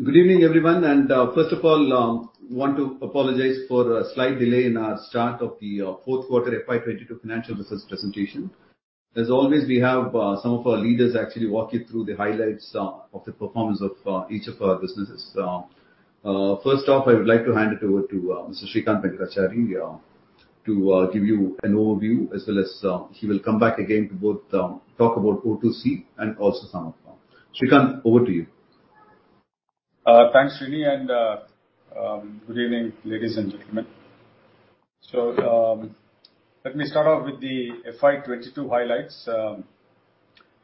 Good evening, everyone. First of all, I want to apologize for a slight delay in our start of the fourth quarter FY 22 financial results presentation. As always, we have some of our leaders actually walk you through the highlights of the performance of each of our businesses. First off, I would like to hand it over to Mr. Srikanth Venkatachari to give you an overview, as well as he will come back again to both talk about O2C and also some of them. Srikanth, over to you. Thanks, Srini. Good evening, ladies and gentlemen. Let me start off with the FY 2022 highlights.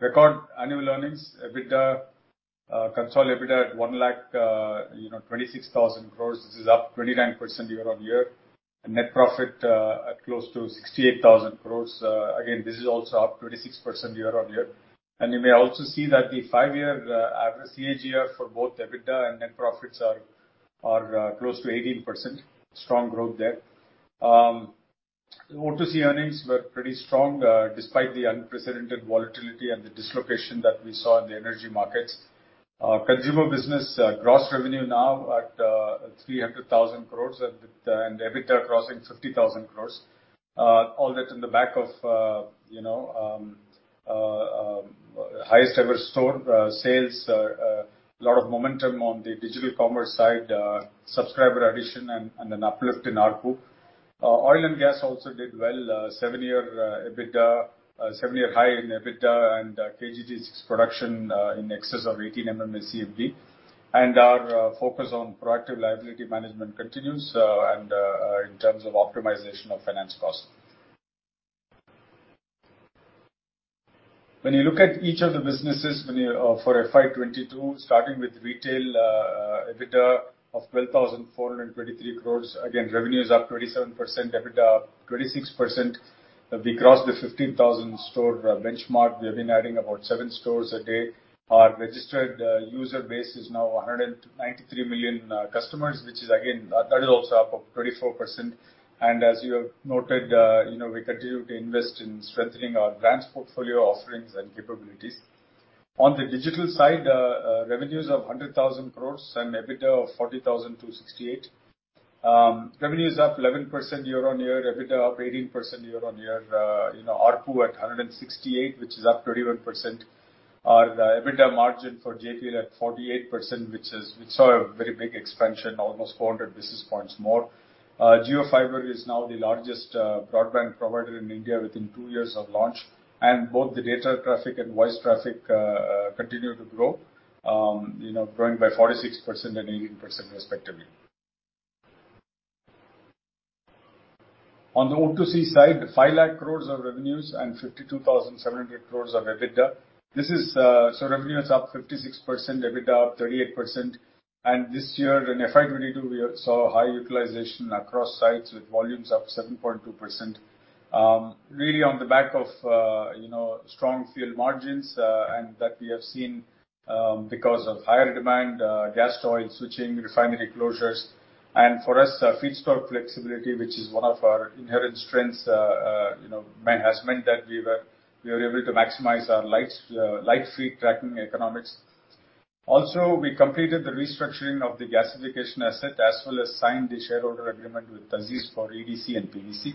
Record annual earnings, EBITDA, consolidated EBITDA at 1,26,000 crore. You know, this is up 29% year-on-year. Net profit at close to 68,000 crore. Again, this is also up 26% year-on-year. You may also see that the 5-year average CAGR for both EBITDA and net profits are close to 18%. Strong growth there. O2C earnings were pretty strong despite the unprecedented volatility and the dislocation that we saw in the energy markets. Our consumer business gross revenue now at 300,000 crore and EBITDA crossing 50,000 crore. All that on the back of, you know, highest ever store sales, lot of momentum on the digital commerce side, subscriber addition and an uplift in ARPU. Oil and gas also did well, seven-year high in EBITDA and KG-D6's production in excess of 18 MMSCMD. Our focus on proactive liability management continues, in terms of optimization of finance costs. When you look at each of the businesses for FY 2022, starting with retail, EBITDA of 12,423 crores. Again, revenue is up 27%, EBITDA up 26%. We crossed the 15,000-store benchmark. We have been adding about seven stores a day. Our registered user base is now 193 million customers, which is again, that is also up 24%. As you have noted, you know, we continue to invest in strengthening our brands portfolio offerings and capabilities. On the digital side, revenues of 100,000 crore and EBITDA of 40,000 crore-68,000 crore. Revenue is up 11% year-on-year, EBITDA up 18% year-on-year. You know, ARPU at 168, which is up 31%. Our EBITDA margin for JP at 48%, which is. We saw a very big expansion, almost 400 basis points more. JioFiber is now the largest broadband provider in India within two years of launch. Both the data traffic and voice traffic continue to grow, you know, growing by 46% and 18% respectively. On the O2C side, 5 lakh crores of revenues and 52,700 crores of EBITDA. This is revenue up 56%, EBITDA up 38%. This year in FY 2022, we saw high utilization across sites with volumes up 7.2%. Really on the back of you know, strong fuel margins and that we have seen because of higher demand, gas oil switching, refinery closures. For us, feedstock flexibility, which is one of our inherent strengths, you know, has meant that we were able to maximize our light sweet cracking economics. Also, we completed the restructuring of the gasification asset, as well as signed the shareholder agreement with TA'ZIZ for EDC and PDC.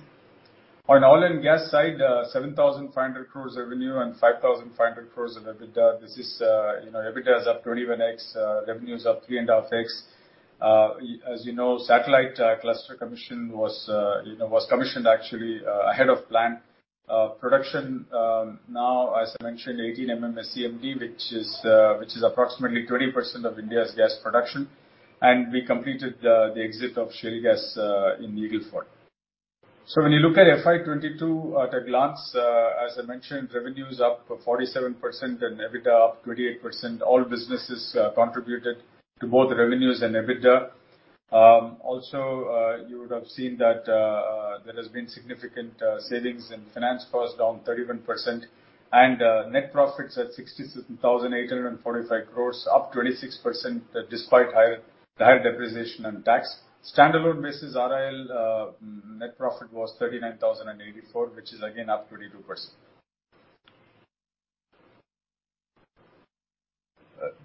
On oil and gas side, 7,500 crores revenue and 5,500 crores in EBITDA. This is, you know, EBITDA is up 21x, revenue is up 3.5x. As you know, Satellite Cluster commission was, you know, was commissioned actually ahead of plan. Production now, as I mentioned, 18 MMSCMD, which is approximately 20% of India's gas production. We completed the exit of shale gas in Eagle Ford. When you look at FY22 at a glance, as I mentioned, revenue's up 47% and EBITDA up 28%. All businesses contributed to both revenues and EBITDA. Also, you would have seen that there has been significant savings and finance costs down 31%. Net profits at 60,845 crores, up 26% despite higher depreciation and tax. Standalone basis, RIL, net profit was 39,084 crores, which is again up 22%.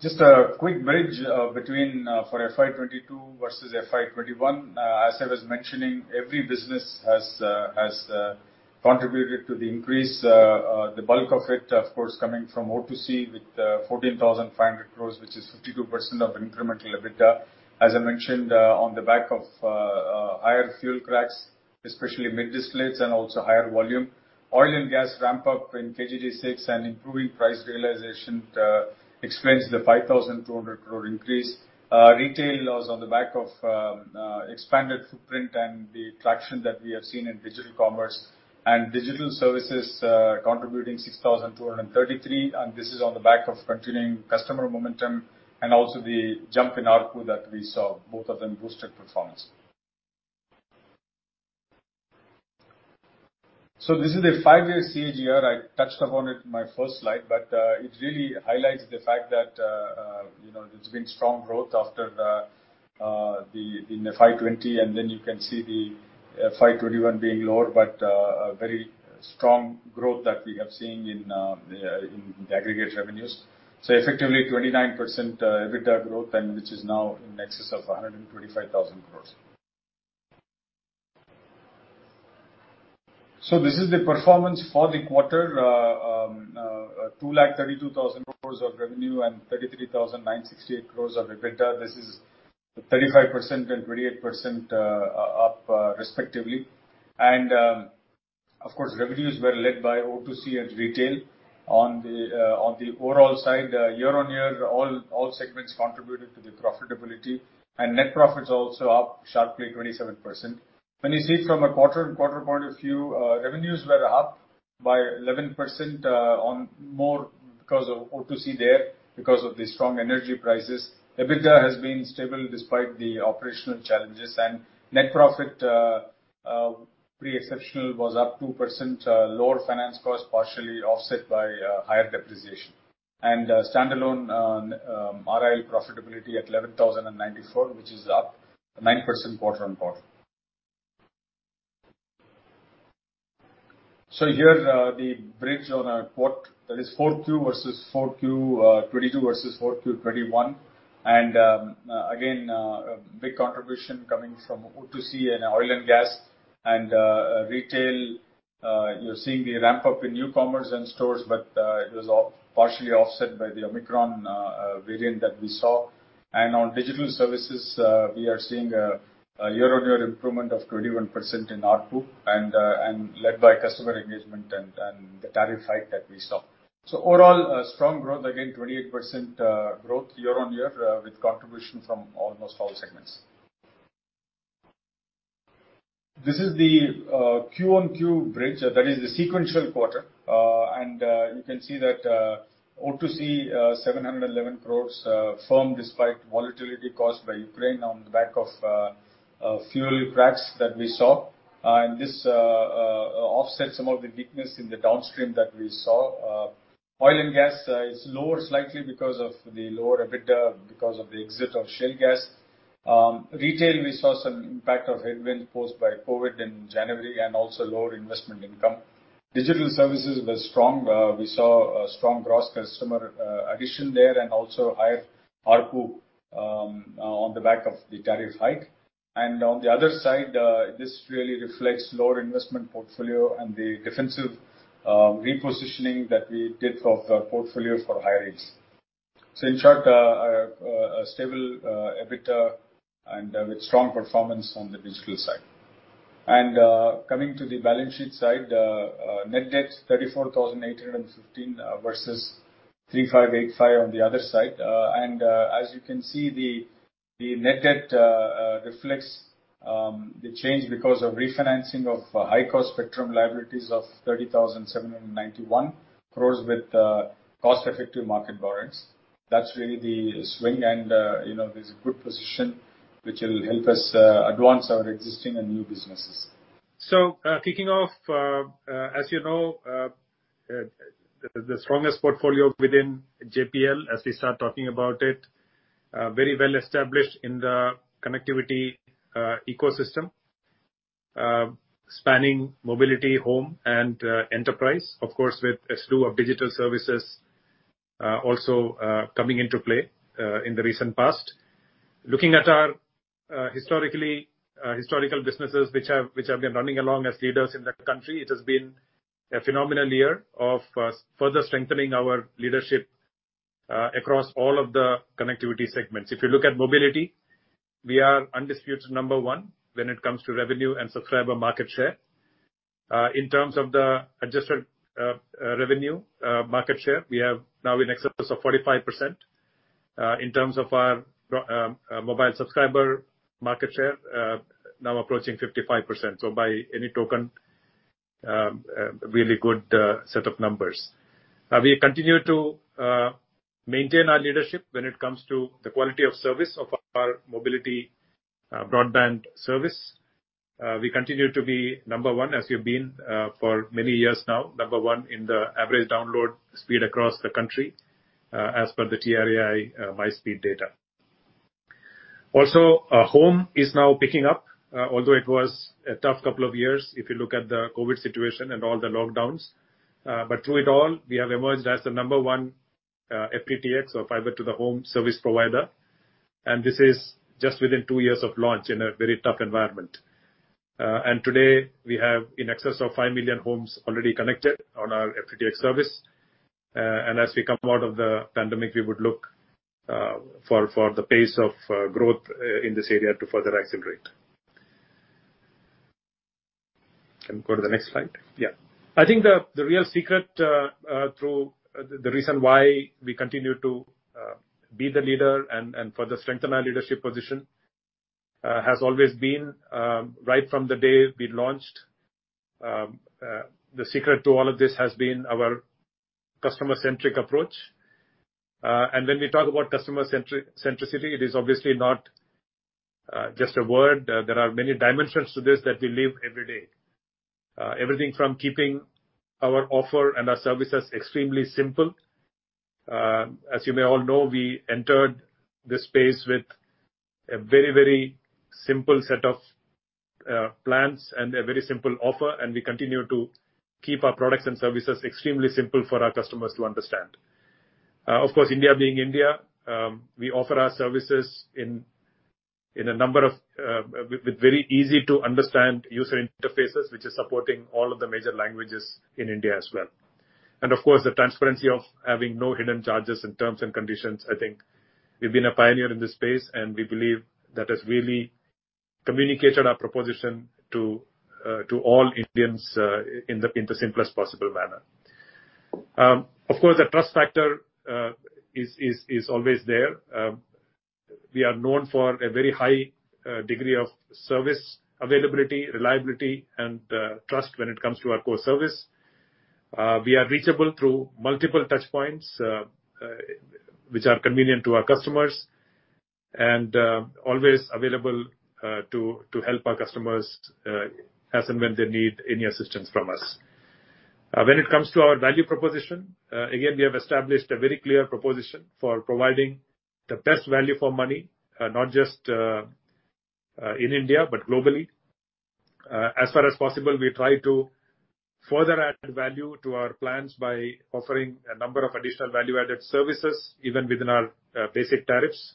Just a quick bridge between for FY 2022 versus FY 2021. As I was mentioning, every business has contributed to the increase. The bulk of it, of course, coming from O2C with 14,500 crores, which is 52% of incremental EBITDA. As I mentioned, on the back of higher fuel cracks, especially mid distillates and also higher volume. Oil and gas ramp up in KG-D6 and improving price realization explains the 5,200 crore increase. Retail was on the back of expanded footprint and the traction that we have seen in digital commerce. Digital services contributing 6,233 crore, and this is on the back of continuing customer momentum, and also the jump in ARPU that we saw, both of them boosted performance. This is a five-year CAGR. I touched upon it in my first slide, but it really highlights the fact that, you know, there's been strong growth after the in FY20, and then you can see the FY21 being lower, but a very strong growth that we have seen in the aggregate revenues. Effectively 29% EBITDA growth and which is now in excess of 125,000 crore. This is the performance for the quarter. 2,32,000 crore of revenue and 33,968 crore of EBITDA. This is 35% and 28% up, respectively. Of course, revenues were led by O2C and retail. On the overall side, year-on-year, all segments contributed to the profitability. Net profits also up sharply 27%. When you see from a quarter-on-quarter point of view, revenues were up by 11%, mainly because of O2C there, because of the strong energy prices. EBITDA has been stable despite the operational challenges. Net profit pre-exceptional was up 2%, lower finance cost partially offset by higher depreciation. Standalone RIL profitability at 11,094, which is up 9% quarter-on-quarter. Here, the bridge on our 4Q versus 4Q, 2022 versus 4Q 2021. Again, a big contribution coming from O2C and oil and gas and retail. You're seeing the ramp up in new commerce and stores, but it was partially offset by the Omicron variant that we saw. On digital services, we are seeing a year-on-year improvement of 21% in ARPU, and led by customer engagement and the tariff hike that we saw. Overall, a strong growth, again, 28% growth year-on-year, with contribution from almost all segments. This is the Q-on-Q bridge, that is the sequential quarter. You can see that O2C 711 crore firm despite volatility caused by Ukraine on the back of fuel cracks that we saw. This offsets some of the weakness in the downstream that we saw. Oil and gas is lower slightly because of the lower EBITDA because of the exit of shale gas. Retail, we saw some impact of headwinds caused by COVID in January and also lower investment income. Digital services were strong. We saw a strong gross customer addition there and also higher ARPU on the back of the tariff hike. This really reflects lower investment portfolio and the defensive repositioning that we did of the portfolio for high rates. In short, a stable EBITDA and with strong performance on the digital side. Coming to the balance sheet side, net debt 34,815 versus 35,85 on the other side. As you can see, the net debt reflects the change because of refinancing of high-cost spectrum liabilities of 30,791 crores with cost-effective market borrowings. That's really the swing and, you know, this good position which will help us advance our existing and new businesses. Kicking off, as you know, the strongest portfolio within JPL, as we start talking about it, very well established in the connectivity ecosystem, spanning mobility, home and enterprise, of course, with a slew of digital services also coming into play in the recent past. Looking at our historical businesses which have been running along as leaders in the country, it has been a phenomenal year of further strengthening our leadership across all of the connectivity segments. If you look at mobility, we are undisputed number one when it comes to revenue and subscriber market share. In terms of the adjusted revenue market share, we have now in excess of 45%. In terms of our pro... Mobile subscriber market share now approaching 55%. By any token, a really good set of numbers. We continue to maintain our leadership when it comes to the quality of service of our mobility broadband service. We continue to be number one as we've been for many years now. Number one in the average download speed across the country, as per the TRAI MySpeed data. Also, home is now picking up, although it was a tough couple of years if you look at the COVID situation and all the lockdowns. Through it all, we have emerged as the number one FTTX or fiber to the home service provider. This is just within two years of launch in a very tough environment. Today, we have in excess of 5 million homes already connected on our FTTX service. As we come out of the pandemic, we would look for the pace of growth in this area to further accelerate. Can go to the next slide? Yeah. I think the real secret, the reason why we continue to be the leader and further strengthen our leadership position, has always been right from the day we launched, the secret to all of this has been our customer-centric approach. When we talk about customer centricity, it is obviously not just a word. There are many dimensions to this that we live every day. Everything from keeping our offer and our services extremely simple. As you may all know, we entered this space with a very, very simple set of plans and a very simple offer, and we continue to keep our products and services extremely simple for our customers to understand. Of course, India being India, we offer our services with very easy-to-understand user interfaces, which is supporting all of the major languages in India as well. Of course, the transparency of having no hidden charges and terms and conditions, I think we've been a pioneer in this space, and we believe that has really communicated our proposition to all Indians in the simplest possible manner. Of course, the trust factor is always there. We are known for a very high degree of service availability, reliability and trust when it comes to our core service. We are reachable through multiple touchpoints which are convenient to our customers and always available to help our customers as and when they need any assistance from us. When it comes to our value proposition, again, we have established a very clear proposition for providing the best value for money not just in India, but globally. As far as possible, we try to further add value to our plans by offering a number of additional value-added services even within our basic tariffs.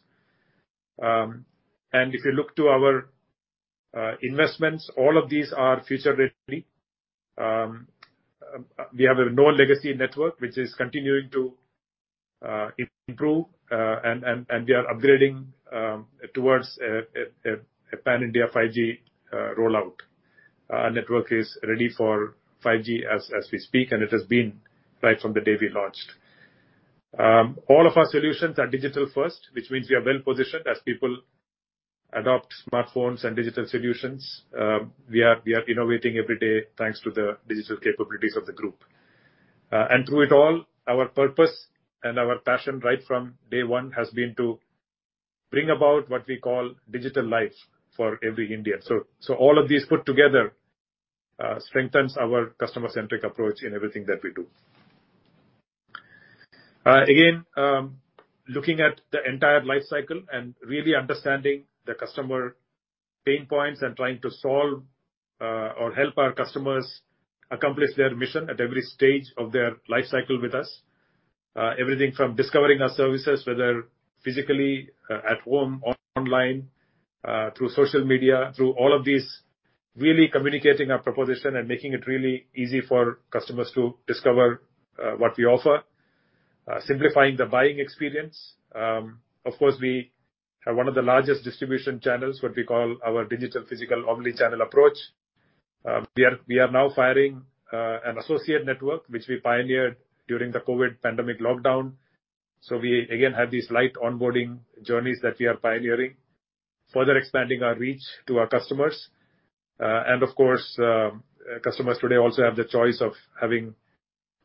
If you look to our investments, all of these are future-ready. We have a no-legacy network which is continuing to improve, and we are upgrading towards a pan-India 5G rollout. Our network is ready for 5G as we speak, and it has been right from the day we launched. All of our solutions are digital first, which means we are well-positioned as people adopt smartphones and digital solutions. We are innovating every day thanks to the digital capabilities of the group. Through it all, our purpose and our passion, right from day one, has been to bring about what we call digital life for every Indian. All of these put together strengthens our customer-centric approach in everything that we do. Again, looking at the entire life cycle and really understanding the customer pain points and trying to solve, or help our customers accomplish their mission at every stage of their life cycle with us. Everything from discovering our services, whether physically at home or online through social media, through all of these, really communicating our proposition and making it really easy for customers to discover what we offer. Simplifying the buying experience. Of course, we have one of the largest distribution channels, what we call our digital physical omni-channel approach. We are now firing an associate network which we pioneered during the COVID pandemic lockdown. We again have these light onboarding journeys that we are pioneering, further expanding our reach to our customers. Customers today also have the choice of having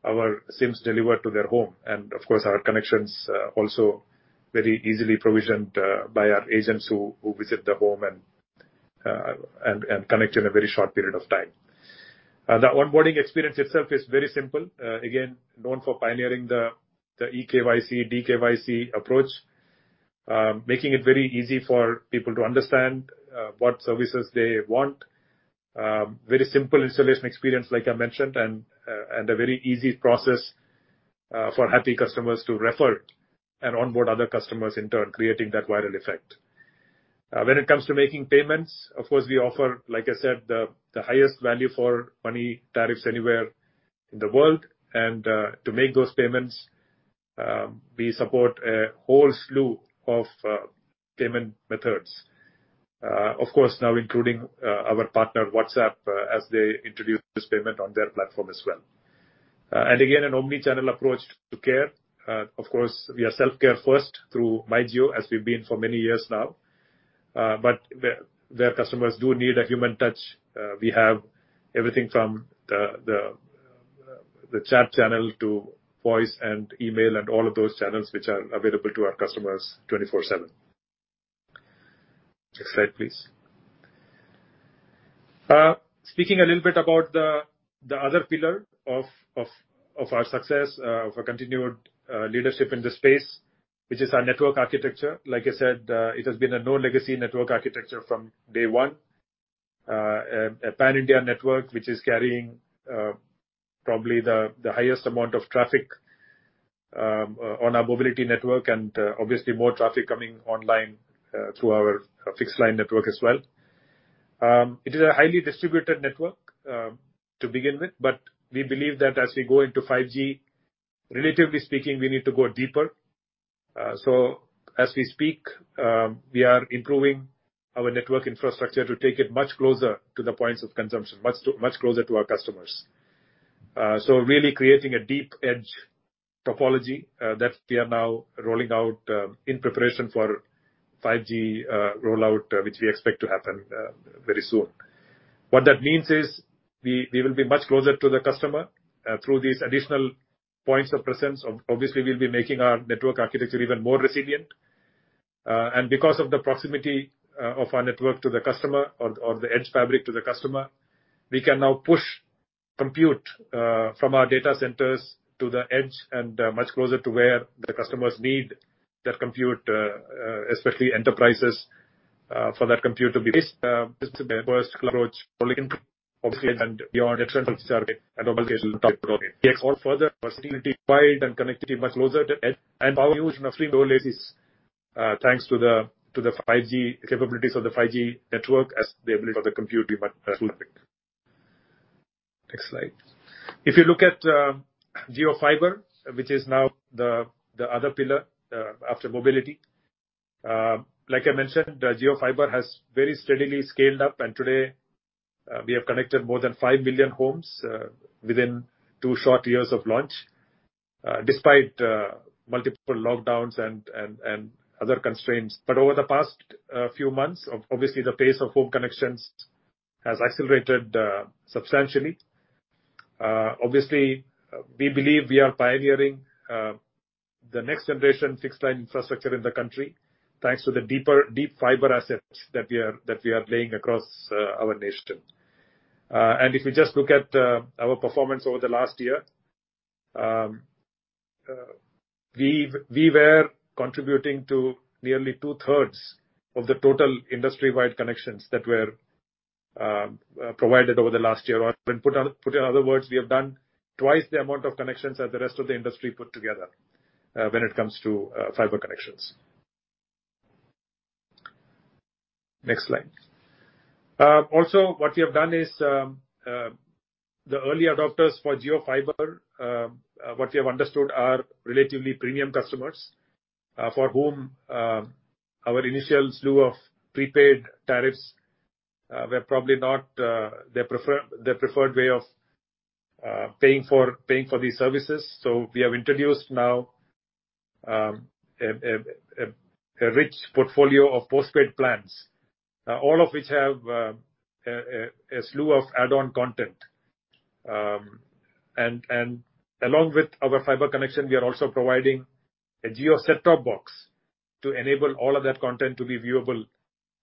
our SIMs delivered to their home. Of course, our connections are also very easily provisioned by our agents who visit the home and connect in a very short period of time. That onboarding experience itself is very simple. Again, known for pioneering the eKYC, D-KYC approach, making it very easy for people to understand what services they want. Very simple installation experience, like I mentioned, and a very easy process for happy customers to refer and onboard other customers, in turn creating that viral effect. When it comes to making payments, of course, we offer, like I said, the highest value for money tariffs anywhere in the world. To make those payments, we support a whole slew of payment methods. Of course, now including our partner WhatsApp, as they introduce this payment on their platform as well. Again, an omni-channel approach to care. Of course, we are self-care first through MyJio, as we've been for many years now. Where customers do need a human touch, we have everything from the chat channel to voice and email and all of those channels which are available to our customers 24/7. Next slide, please. Speaking a little bit about the other pillar of our success of our continued leadership in this space, which is our network architecture. Like I said, it has been a no-legacy network architecture from day one. A pan-India network which is carrying probably the highest amount of traffic on our mobility network and obviously more traffic coming online through our fixed line network as well. It is a highly distributed network to begin with, but we believe that as we go into 5G, relatively speaking, we need to go deeper. As we speak, we are improving our network infrastructure to take it much closer to the points of consumption, much closer to our customers. Really creating a deep edge topology that we are now rolling out in preparation for 5G rollout, which we expect to happen very soon. What that means is we will be much closer to the customer through these additional points of presence. Obviously, we'll be making our network architecture even more resilient. Because of the proximity of our network to the customer or the edge fabric to the customer, we can now push compute from our data centers to the edge and much closer to where the customers need that compute, especially enterprises, for that compute to be based. This is a vertical approach obviously and beyond central data center optimization that takes all further versatility, wider connectivity much closer to the edge and power usage thanks to the 5G capabilities of the 5G network as the ability for the compute. Next slide. If you look at JioFiber, which is now the other pillar after mobility. Like I mentioned, JioFiber has very steadily scaled up, and today, we have connected more than 5 million homes, within two short years of launch, despite multiple lockdowns and other constraints. Over the past few months, obviously the pace of home connections has accelerated substantially. Obviously, we believe we are pioneering the next generation fixed-line infrastructure in the country, thanks to the deep fiber assets that we are laying across our nation. If we just look at our performance over the last year, we were contributing to nearly two-thirds of the total industry-wide connections that were provided over the last year. Put in other words, we have done twice the amount of connections that the rest of the industry put together, when it comes to fiber connections. Next slide. Also what we have done is, the early adopters for JioFiber, what we have understood are relatively premium customers, for whom our initial slew of prepaid tariffs were probably not their preferred way of paying for these services. We have introduced now a rich portfolio of postpaid plans. All of which have a slew of add-on content. Along with our fiber connection, we are also providing a Jio set-top box to enable all of that content to be viewable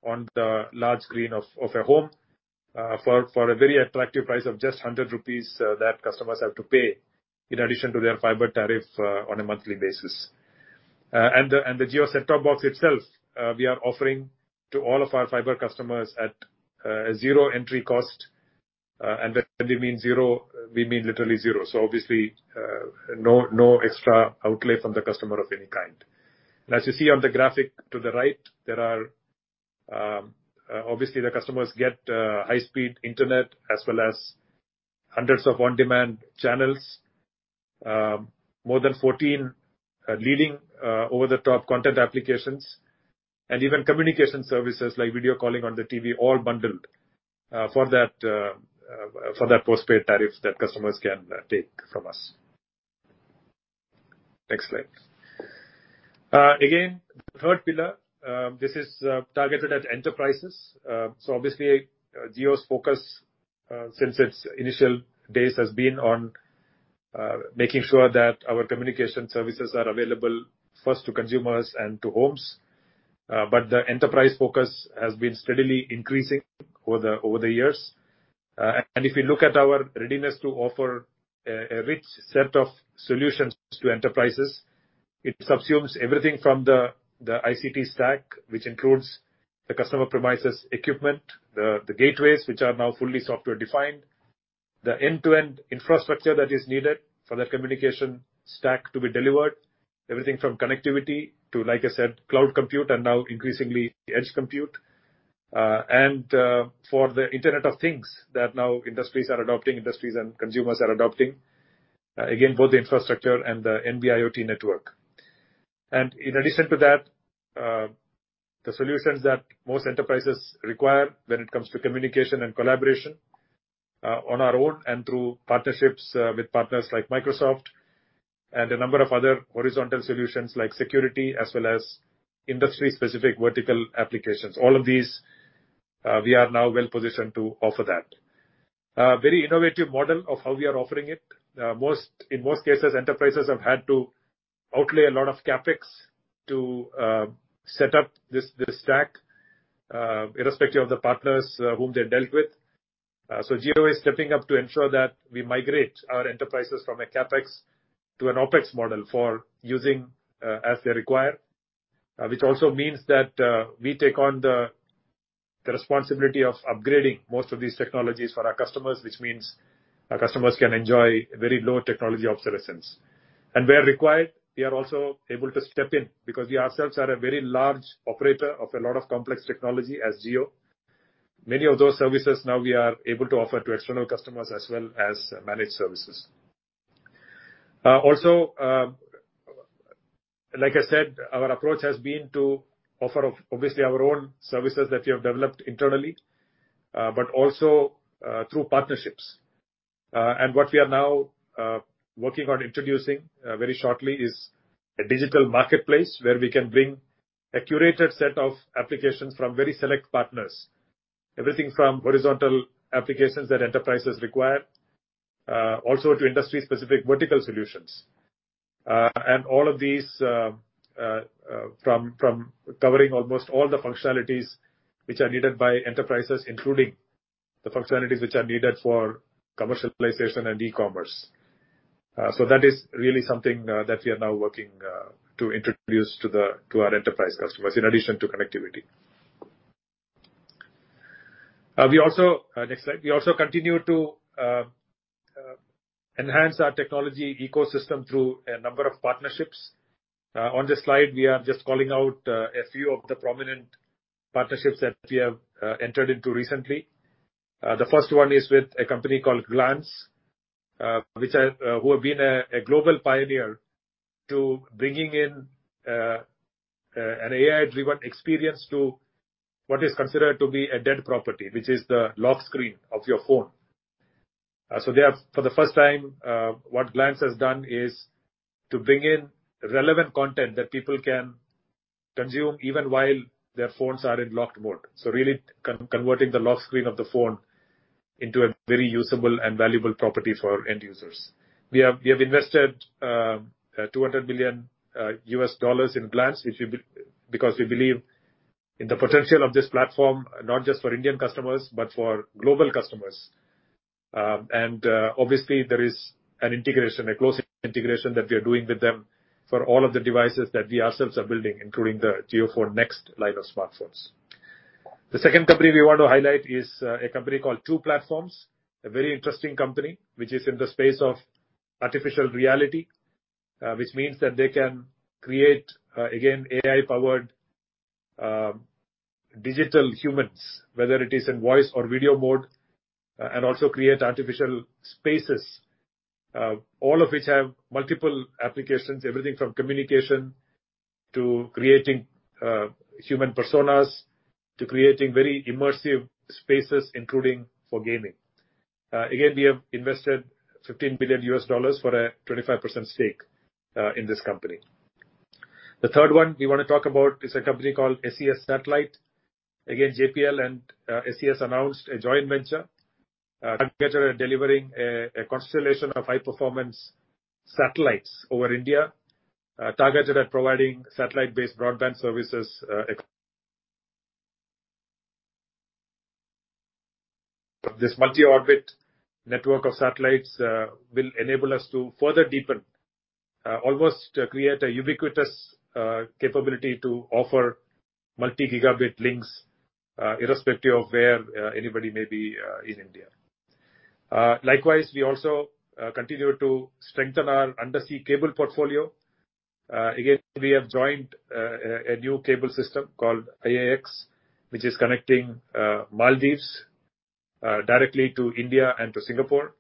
on the large screen of a home for a very attractive price of just 100 rupees that customers have to pay in addition to their fiber tariff on a monthly basis. The Jio set-top box itself, we are offering to all of our fiber customers at 0 entry cost. When we mean 0, we mean literally 0. Obviously, no extra outlay from the customer of any kind. As you see on the graphic to the right, there are obviously the customers get high-speed internet as well as hundreds of on-demand channels, more than 14 leading over-the-top content applications and even communication services like video calling on the TV, all bundled for that postpaid tariff that customers can take from us. Next slide. Again, third pillar. This is targeted at enterprises. Obviously Jio's focus since its initial days has been on making sure that our communication services are available first to consumers and to homes. The enterprise focus has been steadily increasing over the years. If you look at our readiness to offer a rich set of solutions to enterprises, it subsumes everything from the ICT stack, which includes the customer premises equipment. The gateways which are now fully software-defined. The end-to-end infrastructure that is needed for that communication stack to be delivered. Everything from connectivity to, like I said, cloud compute, and now increasingly edge compute. For the Internet of Things that now industries and consumers are adopting, again, both the infrastructure and the NB-IoT network. In addition to that, the solutions that most enterprises require when it comes to communication and collaboration, on our own and through partnerships with partners like Microsoft and a number of other horizontal solutions like security as well as industry-specific vertical applications. All of these, we are now well-positioned to offer that. Very innovative model of how we are offering it. In most cases, enterprises have had to outlay a lot of CapEx to set up this stack, irrespective of the partners whom they dealt with. Jio is stepping up to ensure that we migrate our enterprises from a CapEx to an OpEx model for using as they require. Which also means that we take on the responsibility of upgrading most of these technologies for our customers, which means our customers can enjoy very low technology obsolescence. Where required, we are also able to step in because we ourselves are a very large operator of a lot of complex technology as Jio. Many of those services now we are able to offer to external customers as well as managed services. Also, like I said, our approach has been to offer obviously our own services that we have developed internally, but also through partnerships. What we are now working on introducing very shortly is a digital marketplace where we can bring a curated set of applications from very select partners. Everything from horizontal applications that enterprises require to industry specific vertical solutions. All of these from covering almost all the functionalities which are needed by enterprises, including the functionalities which are needed for commercialization and e-commerce. That is really something that we are now working to introduce to our enterprise customers in addition to connectivity. Next slide. We also continue to enhance our technology ecosystem through a number of partnerships. On this slide, we are just calling out a few of the prominent partnerships that we have entered into recently. The first one is with a company called Glance, which are who have been a global pioneer to bringing in an AI-driven experience to what is considered to be a dead property, which is the lock screen of your phone. They have, for the first time, what Glance has done is to bring in relevant content that people can consume even while their phones are in locked mode. Really converting the lock screen of the phone into a very usable and valuable property for our end users. We have invested $200 million in Glance, which, because we believe in the potential of this platform, not just for Indian customers, but for global customers. Obviously, there is an integration, a close integration that we are doing with them for all of the devices that we ourselves are building, including the JioPhone Next line of smartphones. The second company we want to highlight is a company called Two Platforms, a very interesting company which is in the space of artificial reality, which means that they can create again, AI-powered digital humans, whether it is in voice or video mode, and also create artificial spaces, all of which have multiple applications, everything from communication to creating human personas, to creating very immersive spaces, including for gaming. Again, we have invested $15 billion for a 25% stake in this company. The third one we wanna talk about is a company called SES. Again, JPL and SES announced a joint venture targeted at delivering a constellation of high-performance satellites over India targeted at providing satellite-based broadband services. This multi-orbit network of satellites will enable us to further deepen almost create a ubiquitous capability to offer multi-gigabit links irrespective of where anybody may be in India. Likewise, we also continue to strengthen our undersea cable portfolio. Again, we have joined a new cable system called IAX, which is connecting Maldives directly to India and to Singapore.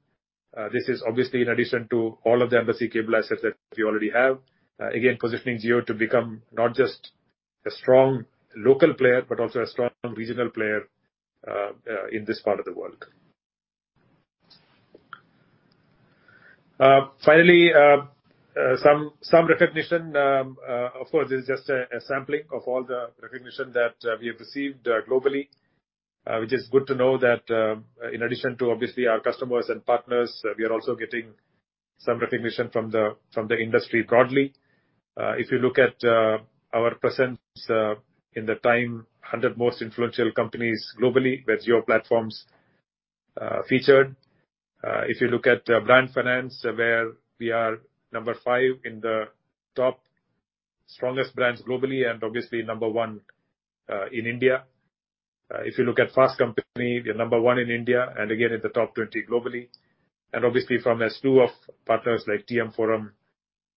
This is obviously in addition to all of the undersea cable assets that we already have, again, positioning Jio to become not just a strong local player, but also a strong regional player in this part of the world. Finally, some recognition. Of course, this is just a sampling of all the recognition that we have received globally. Which is good to know that in addition to obviously our customers and partners, we are also getting some recognition from the industry broadly. If you look at our presence in the TIME 100 most influential companies globally, where Jio Platforms featured. If you look at Brand Finance, where we are number five in the top strongest brands globally, and obviously number one in India. If you look at Fast Company, we are number one in India and again in the top 20 globally. Obviously from a slew of partners like TM Forum,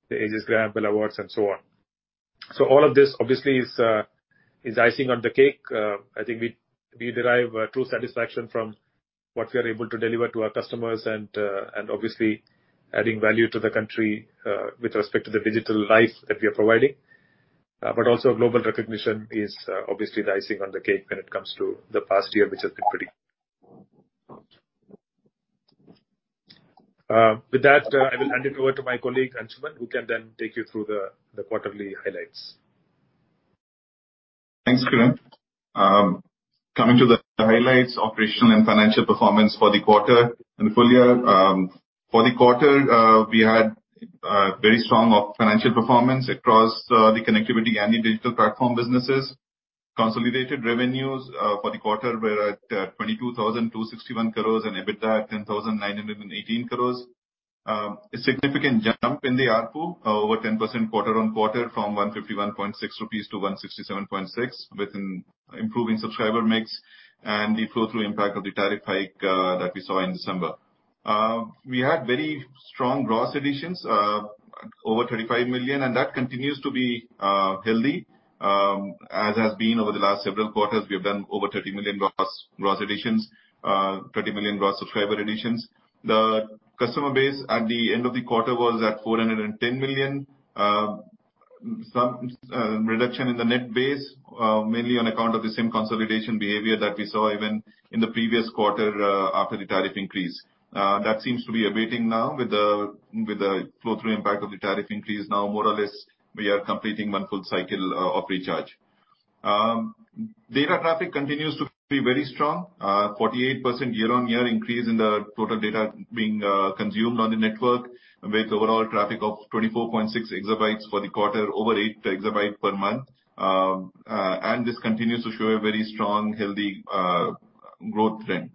the Asia's Greatest Awards and so on. All of this obviously is icing on the cake. I think we derive true satisfaction from what we are able to deliver to our customers and obviously adding value to the country with respect to the digital life that we are providing. But also global recognition is obviously the icing on the cake when it comes to the past year, which has been pretty. With that, I will hand it over to my colleague, Anshuman, who can then take you through the quarterly highlights. Thanks, Kiran. Coming to the highlights, operational and financial performance for the quarter and full year. For the quarter, we had very strong financial performance across the connectivity and the digital platform businesses. Consolidated revenues for the quarter were at 22,261 crore and EBITDA at 10,918 crore. A significant jump in the ARPU over 10% quarter-on-quarter from 151.6 rupees to 167.6, with an improving subscriber mix and the flow-through impact of the tariff hike that we saw in December. We had very strong gross additions over 35 million, and that continues to be healthy. As has been over the last several quarters, we've done over 30 million gross additions, 30 million gross subscriber additions. The customer base at the end of the quarter was at 410 million. Some reduction in the net base, mainly on account of the same consolidation behavior that we saw even in the previous quarter, after the tariff increase. That seems to be abating now with the flow-through impact of the tariff increase. Now more or less we are completing one full cycle of recharge. Data traffic continues to be very strong, 48% year-on-year increase in the total data being consumed on the network, with overall traffic of 24.6 EB for the quarter, over 8 EB per month. This continues to show a very strong, healthy growth trend.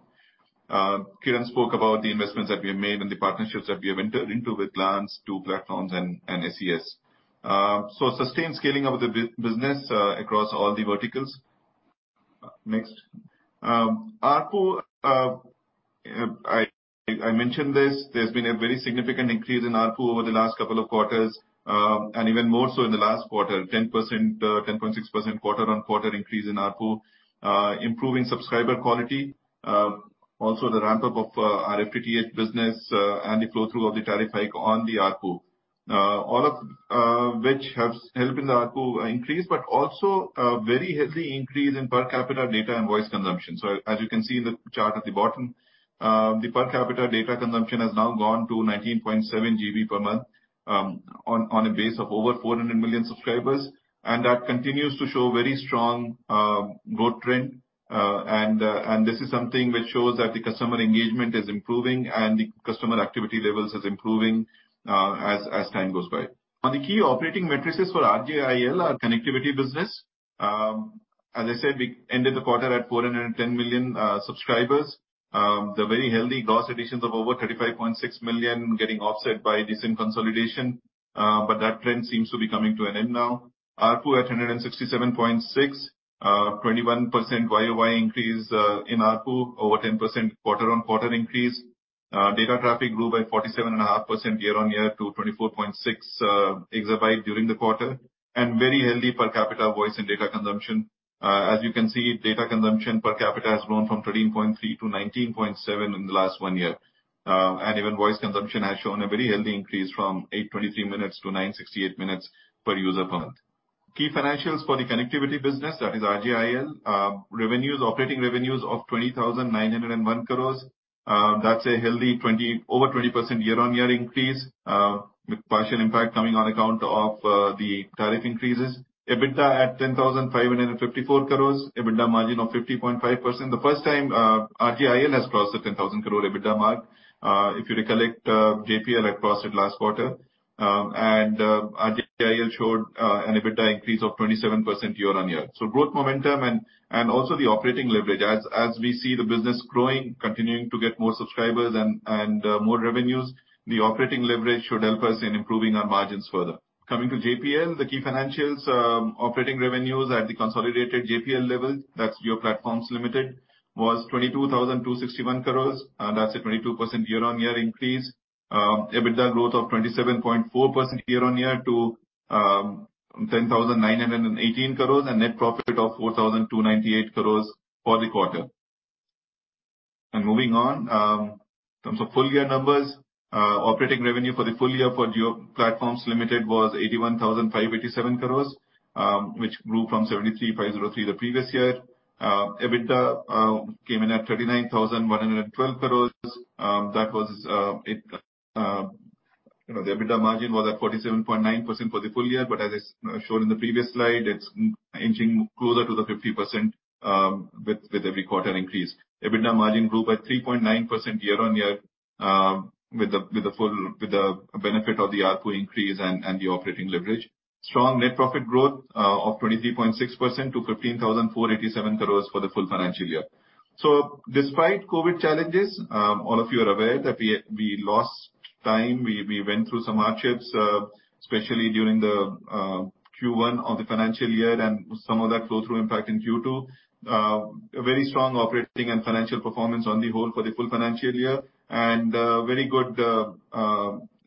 Kiran spoke about the investments that we have made and the partnerships that we have entered into with Reliance Jio Platforms and SES. Sustained scaling of the business across all the verticals. Next. ARPU, I mentioned this. There's been a very significant increase in ARPU over the last couple of quarters, and even more so in the last quarter. 10 percent, 10.6 percent quarter-over-quarter increase in ARPU. Improving subscriber quality. Also the ramp-up of our FTTH business, and the flow-through of the tariff hike on the ARPU. All of which has helped in the ARPU increase, but also a very healthy increase in per capita data and voice consumption. As you can see in the chart at the bottom, the per capita data consumption has now gone to 19.7 GB per month, on a base of over 400 million subscribers. That continues to show very strong growth trend. This is something which shows that the customer engagement is improving and the customer activity levels is improving, as time goes by. On the key operating metrics for RJIL, our connectivity business, as I said, we ended the quarter at 410 million subscribers. The very healthy gross additions of over 35.6 million getting offset by decent consolidation, that trend seems to be coming to an end now. ARPU at 167.6. 21% year-over-year increase in ARPU. Over 10% quarter-on-quarter increase. Data traffic grew by 47.5% year-on-year to 24.6 exabyte during the quarter. Very healthy per capita voice and data consumption. As you can see, data consumption per capita has grown from 13.3 to 19.7 in the last one year. Even voice consumption has shown a very healthy increase from 823 minutes to 968 minutes per user per month. Key financials for the connectivity business, that is RJIL. Revenues, operating revenues of 20,901 crores. That's a healthy over 20% year-on-year increase. With partial impact coming on account of the tariff increases. EBITDA at 10,554 crores. EBITDA margin of 50.5%. The first time, RJIL has crossed the 10,000 crore EBITDA mark. If you recollect, JPL had crossed it last quarter. RJIL showed an EBITDA increase of 27% year-on-year. Growth momentum and also the operating leverage. As we see the business growing, continuing to get more subscribers and more revenues, the operating leverage should help us in improving our margins further. Coming to JPL, the key financials. Operating revenues at the consolidated JPL level, that's Jio Platforms Limited, was 22,261 crore, that's a 22% year-on-year increase. EBITDA growth of 27.4% year-on-year to 10,918 crore. Net profit of 4,298 crore for the quarter. Moving on, in terms of full year numbers. Operating revenue for the full year for Jio Platforms Limited was 81,587 crores, which grew from 73,503 crores the previous year. EBITDA came in at 39,112 crores. That was. You know, the EBITDA margin was at 47.9% for the full year. But as is shown in the previous slide, it's inching closer to the 50%, with every quarter increase. EBITDA margin grew by 3.9% year-on-year, with the benefit of the ARPU increase and the operating leverage. Strong net profit growth of 23.6% to 15,487 crores for the full financial year. Despite COVID challenges, all of you are aware that we lost time, we went through some hardships, especially during the Q1 of the financial year and some of that flow-through impact in Q2. A very strong operating and financial performance on the whole for the full financial year. Very good,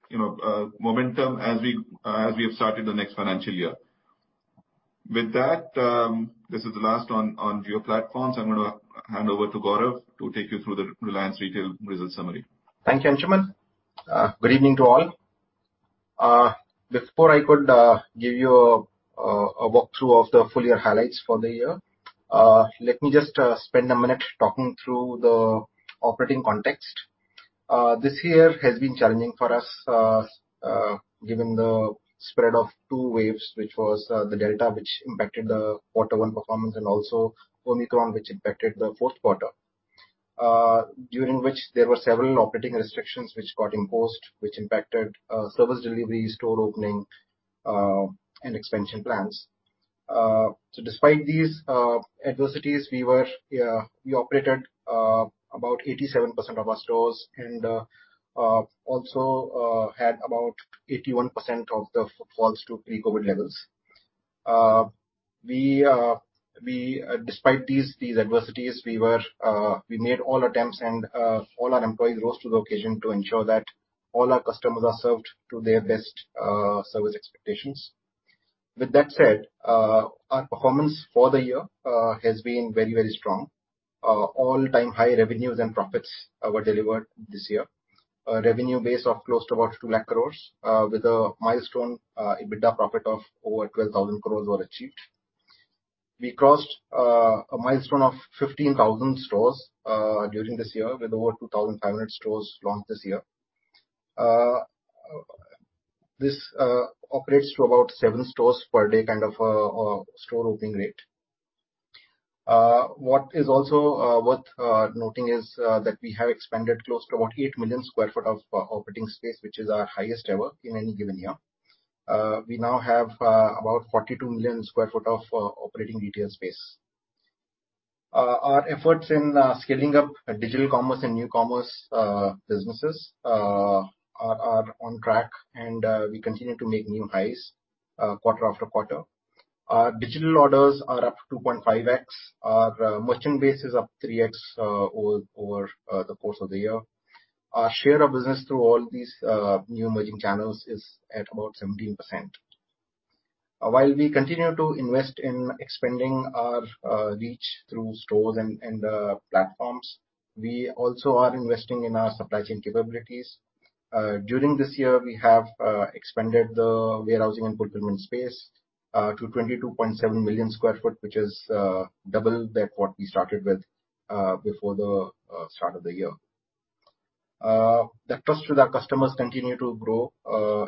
you know, momentum as we have started the next financial year. With that, this is the last on Jio Platforms. I'm gonna hand over to Gaurav to take you through the Reliance Retail result summary. Thank you, Anshuman. Good evening to all. Before I could give you a walkthrough of the full year highlights for the year, let me just spend a minute talking through the operating context. This year has been challenging for us, given the spread of two waves, which was the Delta, which impacted the quarter one performance, and also Omicron, which impacted the fourth quarter. During which there were several operating restrictions which got imposed, which impacted service delivery, store opening, and expansion plans. Despite these adversities, we operated about 87% of our stores and also had about 81% of the footfalls to pre-COVID levels. Despite these adversities, we made all attempts and all our employees rose to the occasion to ensure that all our customers are served to their best service expectations. With that said, our performance for the year has been very strong. All-time high revenues and profits were delivered this year. A revenue base of close to about 2 lakh crore, with a milestone EBITDA profit of over 12,000 crore were achieved. We crossed a milestone of 15,000 stores during this year with over 2,500 stores launched this year. This operates to about seven stores per day kind of store opening rate. What is also worth noting is that we have expanded close to about 8 million sq ft of operating space, which is our highest ever in any given year. We now have about 42 million sq ft of operating retail space. Our efforts in scaling up digital commerce and new commerce businesses are on track, and we continue to make new highs quarter after quarter. Our digital orders are up 2.5x. Our merchant base is up 3x over the course of the year. Our share of business through all these new emerging channels is at about 17%. While we continue to invest in expanding our reach through stores and platforms, we also are investing in our supply chain capabilities. During this year, we have expanded the warehousing and fulfillment space to 22.7 million sq ft, which is double that what we started with before the start of the year. The trust with our customers continue to grow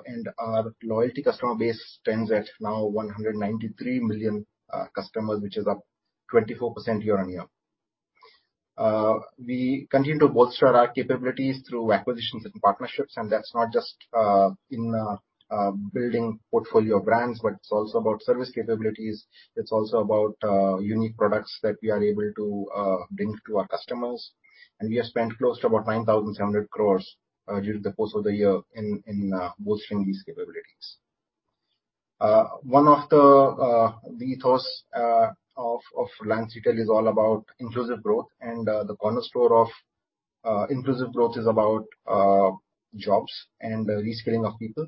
and our loyalty customer base stands at now 193 million customers, which is up 24% year-on-year. We continue to bolster our capabilities through acquisitions and partnerships, and that's not just in building portfolio brands, but it's also about service capabilities. It's also about unique products that we are able to bring to our customers. We have spent close to about 9,700 crores during the course of the year in bolstering these capabilities. One of the ethos of Reliance Retail is all about inclusive growth, and the cornerstone of inclusive growth is about jobs and the reskilling of people.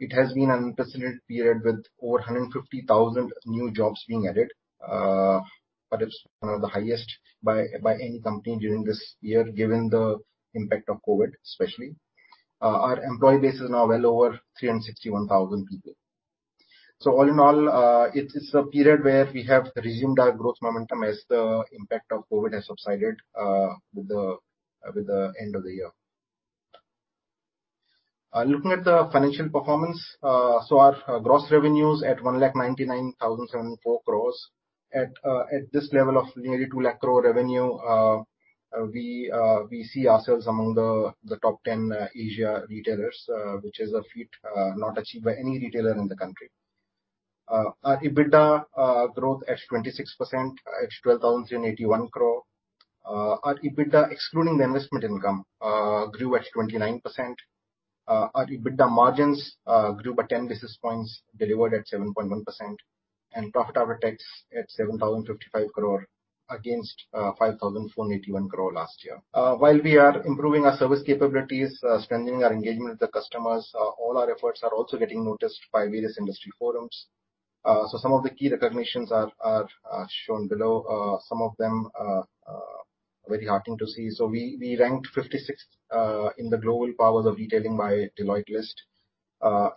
It has been an unprecedented period with over 150,000 new jobs being added, what is one of the highest by any company during this year, given the impact of COVID, especially. Our employee base is now well over 361,000 people. All in all, it is a period where we have resumed our growth momentum as the impact of COVID has subsided, with the end of the year. Looking at the financial performance, our gross revenues at 1,99,974 crore. At this level of nearly 2 lakh crore revenue, we see ourselves among the top ten Asian retailers, which is a feat not achieved by any retailer in the country. Our EBITDA growth at 26% at 12,081 crore. Our EBITDA, excluding the investment income, grew at 29%. Our EBITDA margins grew by 10 basis points, delivered at 7.1%. Profit after tax at 7,055 crore against 5,481 crore last year. While we are improving our service capabilities, strengthening our engagement with the customers, all our efforts are also getting noticed by various industry forums. Some of the key recognitions are shown below. Some of them are very heartening to see. We ranked 56th in the Global Powers of Retailing by Deloitte list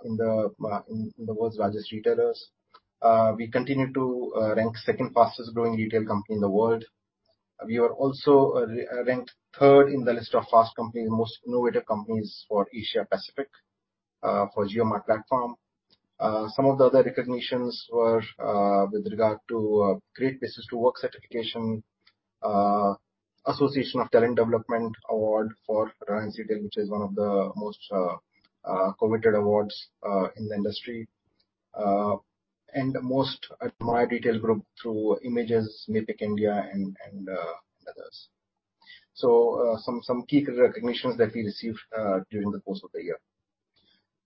in the world's largest retailers. We continue to rank 2nd fastest growing retail company in the world. We are also ranked 3rd in the list of Fast Company, Most Innovative Companies for Asia Pacific for JioMart platform. Some of the other recognitions were with regard to Great Place to Work certification, Association for Talent Development Award for Reliance Retail, which is one of the most coveted awards in the industry. Most Admired Retail Group through IMAGES, Nifty India and others. Some key recognitions that we received during the course of the year.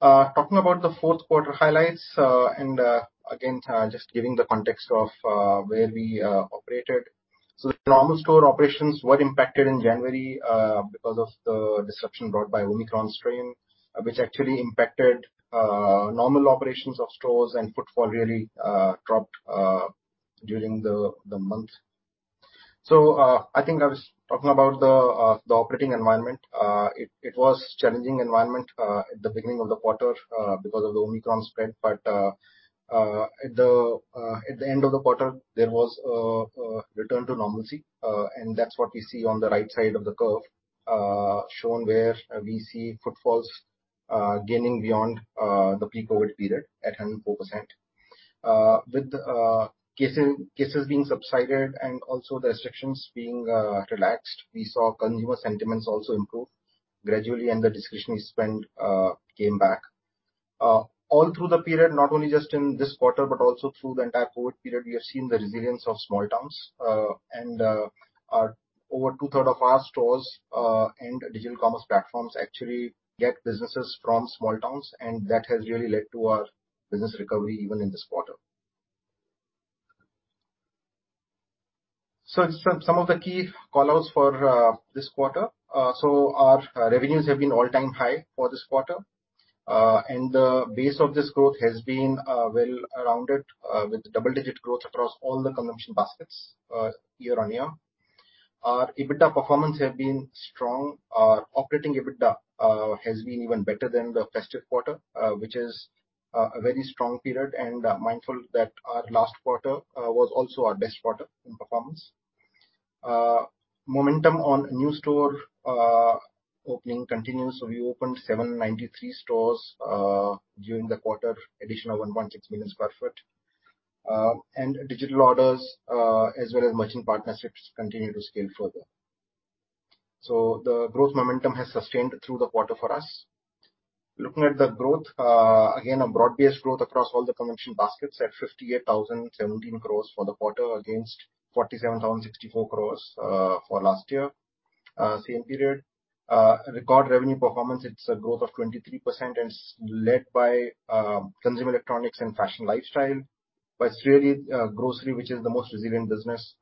Talking about the fourth quarter highlights, and again, just giving the context of where we operated. The normal store operations were impacted in January because of the disruption brought by Omicron strain, which actually impacted normal operations of stores and footfall really dropped during the month. I think I was talking about the operating environment. It was a challenging environment at the beginning of the quarter because of the Omicron spread, but at the end of the quarter, there was a return to normalcy, and that's what we see on the right side of the curve shown where we see footfalls gaining beyond the pre-COVID period at 104%. With cases subsiding and also the restrictions being relaxed, we saw consumer sentiments also improve gradually, and the discretionary spend came back. All through the period, not only just in this quarter, but also through the entire COVID period, we have seen the resilience of small towns. Over two-thirds of our stores and digital commerce platforms actually get businesses from small towns, and that has really led to our business recovery even in this quarter. Some of the key call-outs for this quarter. Our revenues have been an all-time high for this quarter. The base of this growth has been well-rounded with double-digit growth across all the consumption baskets year-on-year. Our EBITDA performance have been strong. Our operating EBITDA has been even better than the festive quarter, which is a very strong period, and mindful that our last quarter was also our best quarter in performance. Momentum on new store opening continues. We opened 793 stores during the quarter, additional 1.6 million sq ft. Digital orders as well as merchant partnerships continue to scale further. The growth momentum has sustained through the quarter for us. Looking at the growth, again, a broad-based growth across all the consumption baskets at 58,017 crore for the quarter against 47,064 crore for last year same period. Record revenue performance, it's a growth of 23% and it's led by consumer electronics and fashion lifestyle. It's really grocery, which is the most resilient business.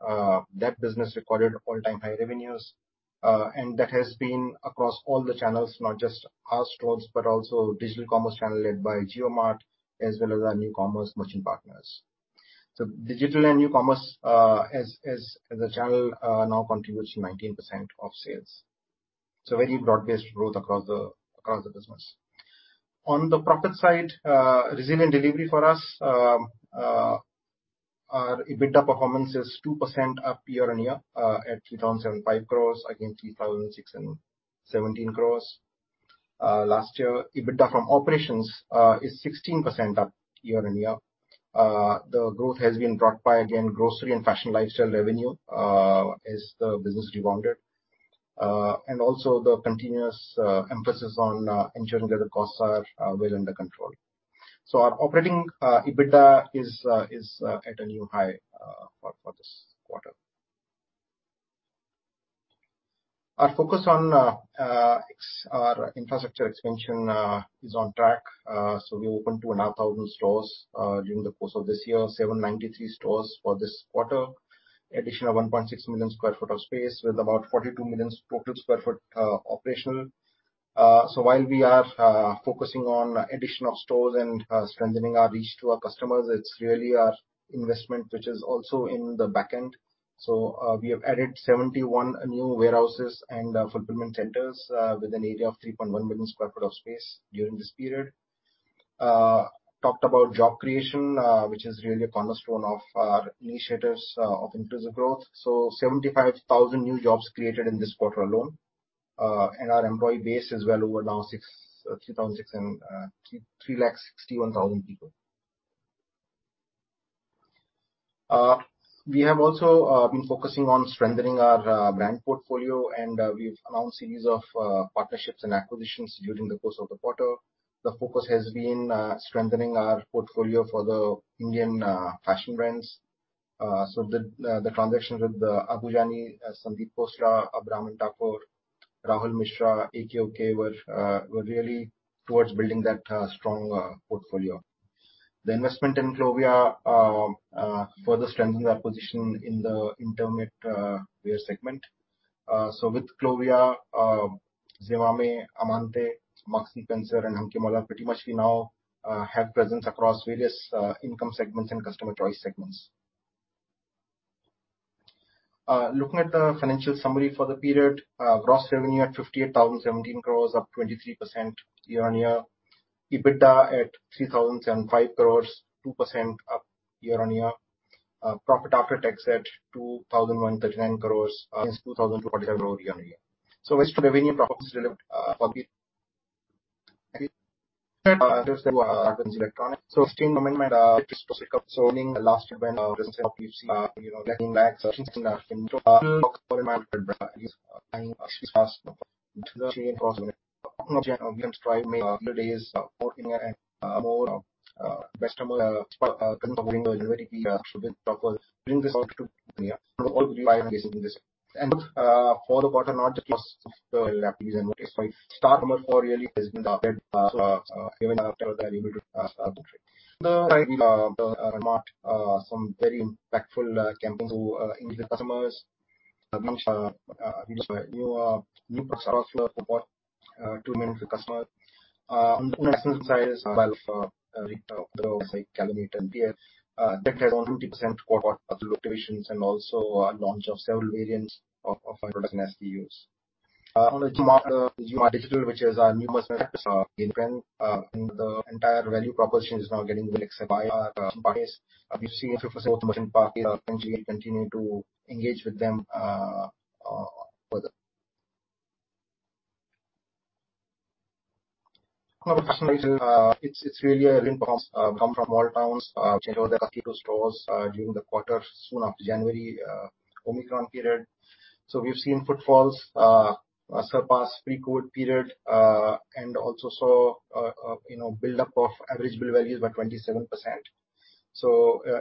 That business recorded all-time high revenues. That has been across all the channels, not just our stores, but also digital commerce channel led by JioMart, as well as our new commerce merchant partners. Digital and new commerce as a channel now contributes 19% of sales. Very broad-based growth across the business. On the profit side, resilient delivery for us. Our EBITDA performance is 2% up year-on-year at 3,750 crores, against 3,617 crores last year. EBITDA from operations is 16% up year-on-year. The growth has been brought by, again, grocery and fashion lifestyle revenue as the business rebounded. Also the continuous emphasis on ensuring that the costs are well under control. Our operating EBITDA is at a new high for this quarter. Our focus on our infrastructure expansion is on track. We opened 2,500 stores during the course of this year. 793 stores for this quarter. Additional 1.6 million sq ft of space with about 42 million total sq ft operational. While we are focusing on additional stores and strengthening our reach to our customers, it's really our investment which is also in the back end. We have added 71 new warehouses and fulfillment centers with an area of 3.1 million sq ft of space during this period. Talked about job creation, which is really a cornerstone of our initiatives of inclusive growth. 75,000 new jobs created in this quarter alone. Our employee base is well over 361,000 people. We have also been focusing on strengthening our brand portfolio, and we've announced a series of partnerships and acquisitions during the course of the quarter. The focus has been strengthening our portfolio for the Indian fashion brands. The transactions with Abu Jani Sandeep Khosla, Abraham & Thakore, Rahul Mishra, AK-OK were really towards building that strong portfolio. The investment in Clovia further strengthens our position in the intimate wear segment. With Clovia, Zivame, Amante, Hunkemöller, and Hanky Panky, pretty much we now have presence across various income segments and customer choice segments. Looking at the financial summary for the period. Gross revenue at 58,017 crores, up 23% year-on-year. EBITDA at 3,075 crores, 2% up year-on-year. Profit after tax at 2,139 crores, against 2,247 crore year-on-year. Revenue profits delivered for the electronics. Last year when, you know, some very impactful campaigns to engage with customers. We launched new products, 2 million new customers. On the side, well, that has grown 20% quarter-over-quarter locations, and also launch of several variants of our products and SKUs. On the JioMart Digital, which is our new commerce platform, the entire value proposition is now getting really accepted by our merchant partners. We've seen 50% of the merchant partners, and we continue to engage with them further. It's really a comeback from all towns, which I know that our field stores during the quarter soon after January Omicron period. We've seen footfalls surpass pre-COVID period, and also saw you know build-up of average bill values by 27%.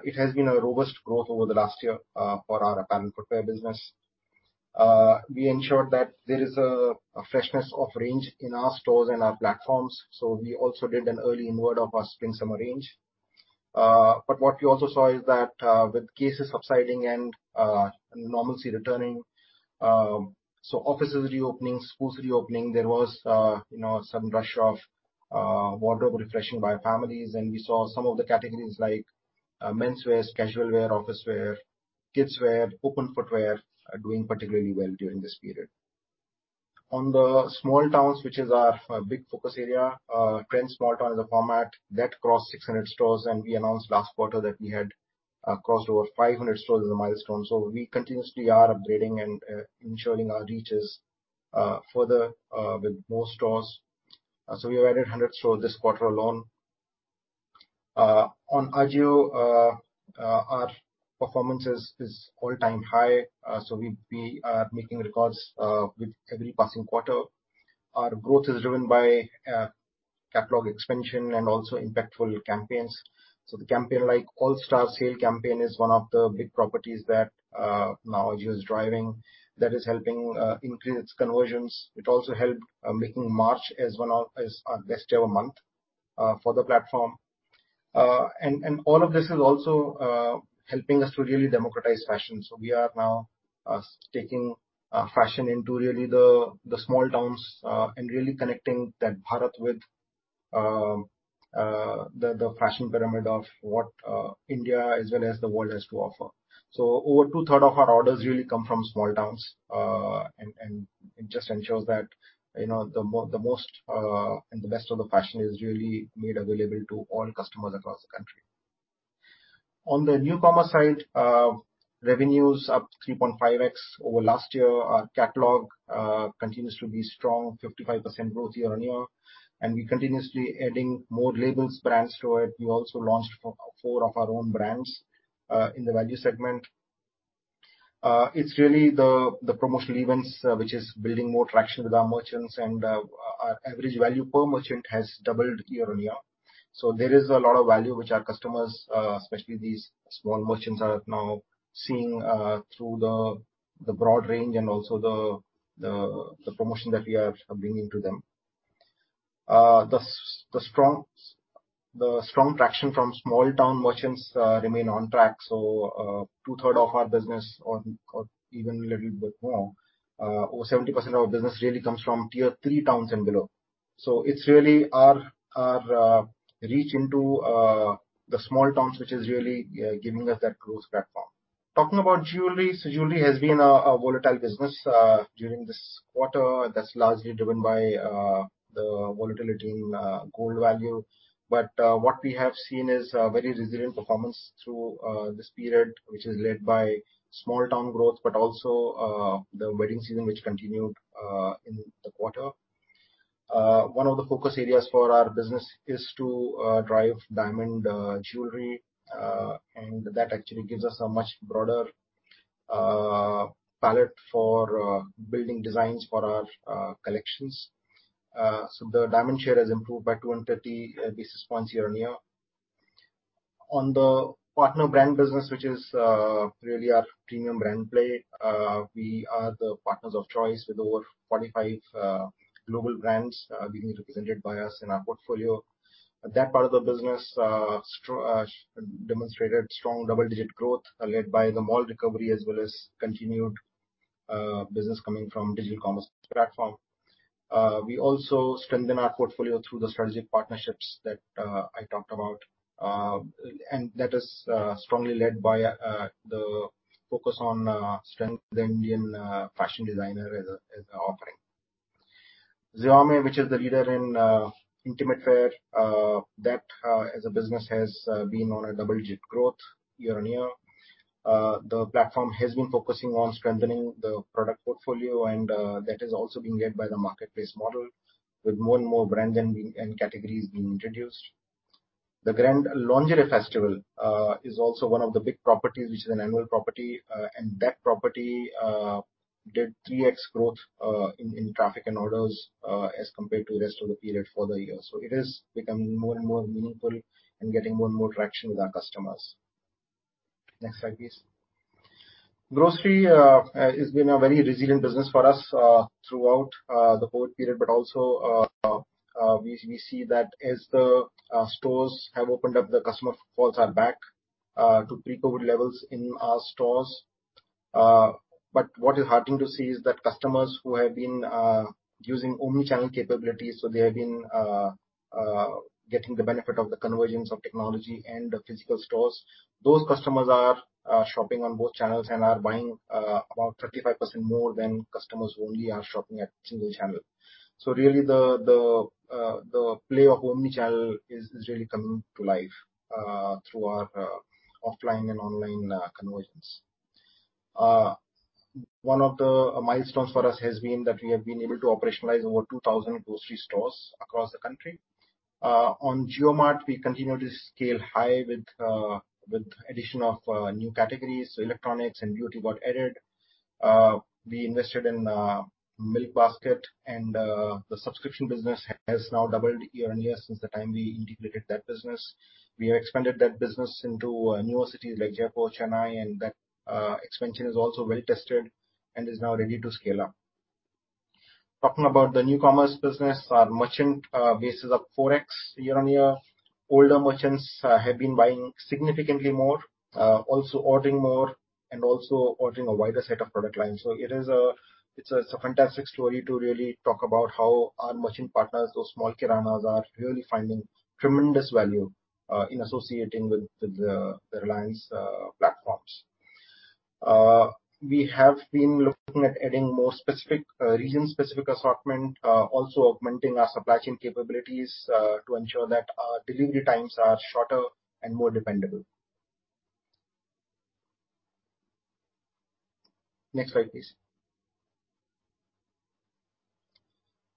It has been a robust growth over the last year for our apparel footwear business. We ensured that there is a freshness of range in our stores and our platforms, so we also did an early inward of our spring/summer range. What we also saw is that with cases subsiding and normalcy returning, offices reopening, schools reopening, there was, you know, some rush of wardrobe refreshing by families. We saw some of the categories like men's wear, casual wear, office wear, kids wear, open footwear are doing particularly well during this period. On the small towns, which is our big focus area, Trends Small Town is a format that crossed 600 stores, and we announced last quarter that we had crossed over 500 stores as a milestone. We continuously are upgrading and ensuring our reach is further with more stores. We added 100 stores this quarter alone. On AJIO, our performance is all-time high. We are making records with every passing quarter. Our growth is driven by catalog expansion and also impactful campaigns. The campaign, like All-Star Sale campaign, is one of the big properties that now AJIO is driving, that is helping increase its conversions. It also helped making March as one of our best-ever month for the platform. All of this is also helping us to really democratize fashion. We are now taking fashion into really the small towns and really connecting that Bharat with the fashion pyramid of what India as well as the world has to offer. Over two-third of our orders really come from small towns. It just ensures that, you know, the most and the best of the fashion is really made available to all customers across the country. On the new commerce side, revenues up 3.5x over last year. Our catalog continues to be strong, 55% growth year-on-year, and we continuously adding more labels, brands to it. We also launched four of our own brands in the value segment. It's really the promotional events which is building more traction with our merchants, and our average value per merchant has doubled year-on-year. There is a lot of value which our customers, especially these small merchants, are now seeing through the broad range and also the promotion that we are bringing to them. The strong traction from small town merchants remain on track, so 2/3 of our business or even a little bit more over 70% of our business really comes from tier-three towns and below. It's really our reach into the small towns which is really giving us that growth platform. Talking about jewelry. Jewelry has been a volatile business during this quarter. That's largely driven by the volatility in gold value. What we have seen is a very resilient performance through this period, which is led by small town growth, but also the wedding season which continued in the quarter. One of the focus areas for our business is to drive diamond jewelry, and that actually gives us a much broader palette for building designs for our collections. The diamond share has improved by 230 basis points year-on-year. On the partner brand business, which is really our premium brand play, we are the partners of choice with over 45 global brands being represented by us in our portfolio. That part of the business demonstrated strong double-digit growth, led by the mall recovery as well as continued business coming from digital commerce platform. We also strengthen our portfolio through the strategic partnerships that I talked about, and that is strongly led by the focus on strength of the Indian fashion designer as an offering. Zivame, which is the leader in intimate wear, that as a business has been on a double-digit growth year-on-year. The platform has been focusing on strengthening the product portfolio and that is also being led by the marketplace model, with more and more brands and categories being introduced. The Grand Lingerie Festival is also one of the big properties, which is an annual property, and that property did 3x growth in traffic and orders as compared to the rest of the period for the year. It is becoming more and more meaningful and getting more and more traction with our customers. Next slide, please. Grocery has been a very resilient business for us throughout the COVID period, but also we see that as the stores have opened up, the customer footfalls are back to pre-COVID levels in our stores. What is heartening to see is that customers who have been using omni-channel capabilities, so they have been getting the benefit of the convergence of technology and the physical stores, those customers are shopping on both channels and are buying about 35% more than customers who only are shopping at single channel. Really the play of omni-channel is really coming to life through our offline and online conversions. One of the milestones for us has been that we have been able to operationalize over 2,000 grocery stores across the country. On JioMart, we continue to scale high with addition of new categories. Electronics and beauty got added. We invested in Milkbasket, and the subscription business has now doubled year-on-year since the time we integrated that business. We expanded that business into newer cities like Jaipur, Chennai, and that expansion is also well-tested and is now ready to scale up. Talking about the new commerce business. Our merchant base is up 4x year-on-year. Older merchants have been buying significantly more, also ordering more and also ordering a wider set of product lines. It is a fantastic story to really talk about how our merchant partners, those small kiranas, are really finding tremendous value in associating with the Reliance platforms. We have been looking at adding more specific region-specific assortment, also augmenting our supply chain capabilities to ensure that our delivery times are shorter and more dependable. Next slide, please.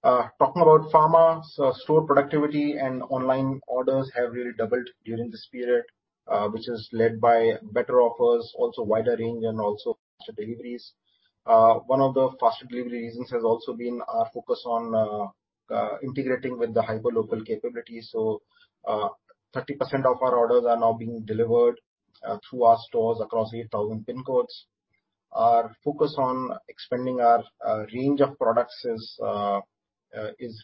Talking about pharma. Store productivity and online orders have really doubled during this period, which is led by better offers, also wider range and also faster deliveries. One of the faster delivery reasons has also been our focus on integrating with the hyper local capabilities. 30% of our orders are now being delivered through our stores across 8,000 pin codes. Our focus on expanding our range of products is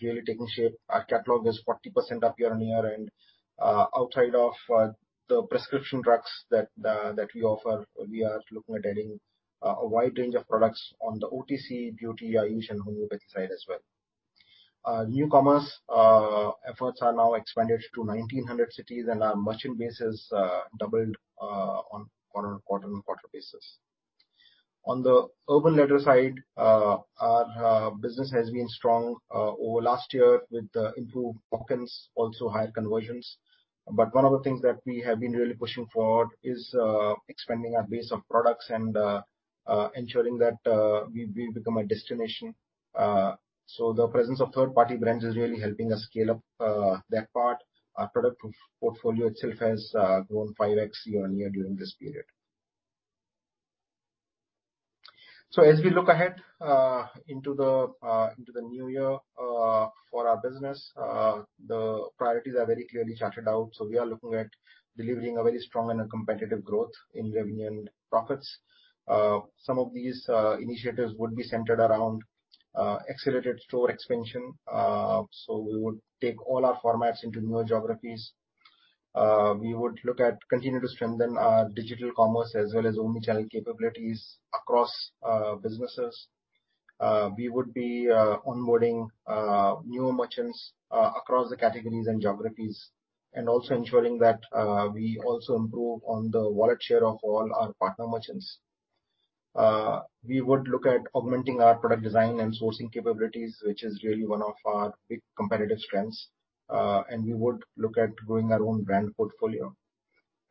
really taking shape. Our catalog is 40% up year-on-year and outside of the prescription drugs that we offer, we are looking at adding a wide range of products on the OTC beauty, Ayush and homeo side as well. New commerce efforts are now expanded to 1,900 cities and our merchant base has doubled on a quarter-over-quarter basis. On the Urban Ladder side, our business has been strong over last year with the improved offerings, also higher conversions. One of the things that we have been really pushing for is expanding our base of products and ensuring that we've become a destination. The presence of third-party brands is really helping us scale up that part. Our product portfolio itself has grown 5x year-on-year during this period. As we look ahead into the new year for our business, the priorities are very clearly charted out. We are looking at delivering a very strong and competitive growth in revenue and profits. Some of these initiatives would be centered around accelerated store expansion. We would take all our formats into newer geographies. We would look at continuing to strengthen our digital commerce as well as omnichannel capabilities across businesses. We would be onboarding newer merchants across the categories and geographies, and also ensuring that we also improve on the wallet share of all our partner merchants. We would look at augmenting our product design and sourcing capabilities, which is really one of our big competitive strengths. We would look at growing our own brand portfolio.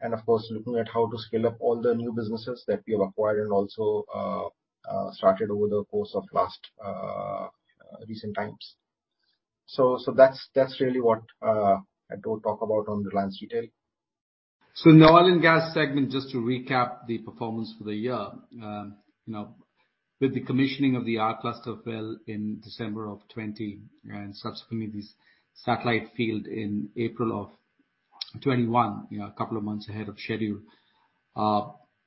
Of course, looking at how to scale up all the new businesses that we have acquired and also started over the course of last recent times. That's really what I don't talk about on Reliance Retail. In the oil and gas segment, just to recap the performance for the year. You know, with the commissioning of the R-Cluster well in December 2020 and subsequently the Satellite Cluster in April 2021, you know, a couple of months ahead of schedule.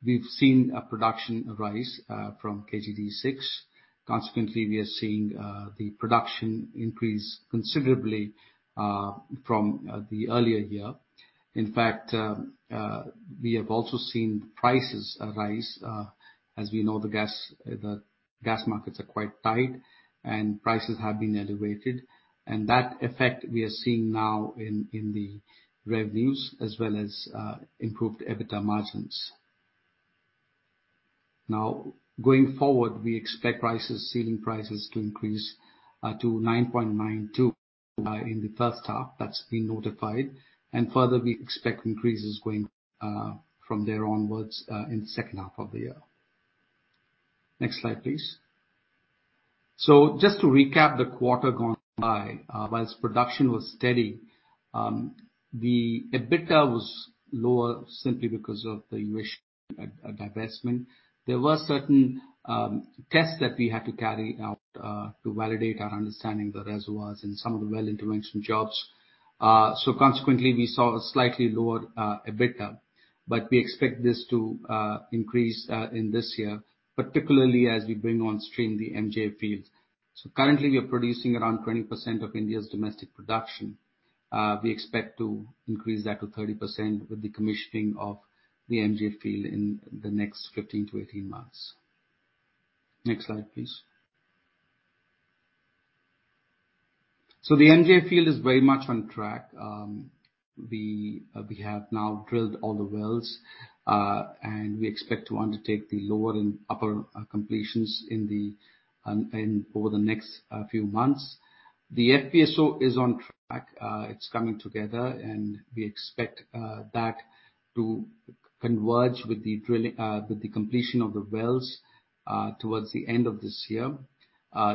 We've seen a production rise from KG-D6. Consequently, we are seeing the production increase considerably from the earlier year. In fact, we have also seen prices rise. As we know, the gas markets are quite tight and prices have been elevated. That effect we are seeing now in the revenues as well as improved EBITDA margins. Now, going forward, we expect prices, ceiling prices to increase to $9.92 in the first half. That's been notified. Further we expect increases going from there onwards in the second half of the year. Next slide, please. Just to recap the quarter gone by. While production was steady, the EBITDA was lower simply because of the U.S. divestment. There were certain tests that we had to carry out to validate our understanding of the reservoirs and some of the well intervention jobs. Consequently we saw a slightly lower EBITDA, but we expect this to increase in this year, particularly as we bring on stream the MJ field. Currently we're producing around 20% of India's domestic production. We expect to increase that to 30% with the commissioning of the MJ field in the next 15 to 18 months. Next slide, please. The MJ field is very much on track. We have now drilled all the wells. We expect to undertake the lower and upper completions over the next few months. The FPSO is on track. It's coming together and we expect that to converge with the drilling with the completion of the wells towards the end of this year.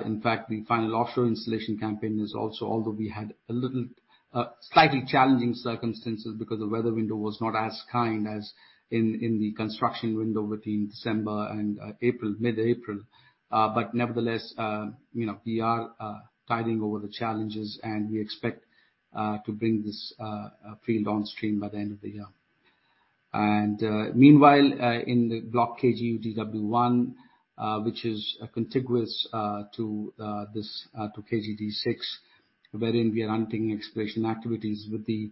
In fact, the final offshore installation campaign is also although we had a little slightly challenging circumstances because the weather window was not as kind as in the construction window between December and April, mid-April. Nevertheless, you know, we are tiding over the challenges, and we expect to bring this field on stream by the end of the year. Meanwhile, in the block KG-UDW1, which is contiguous to KG-D6, wherein we are undertaking exploration activities with the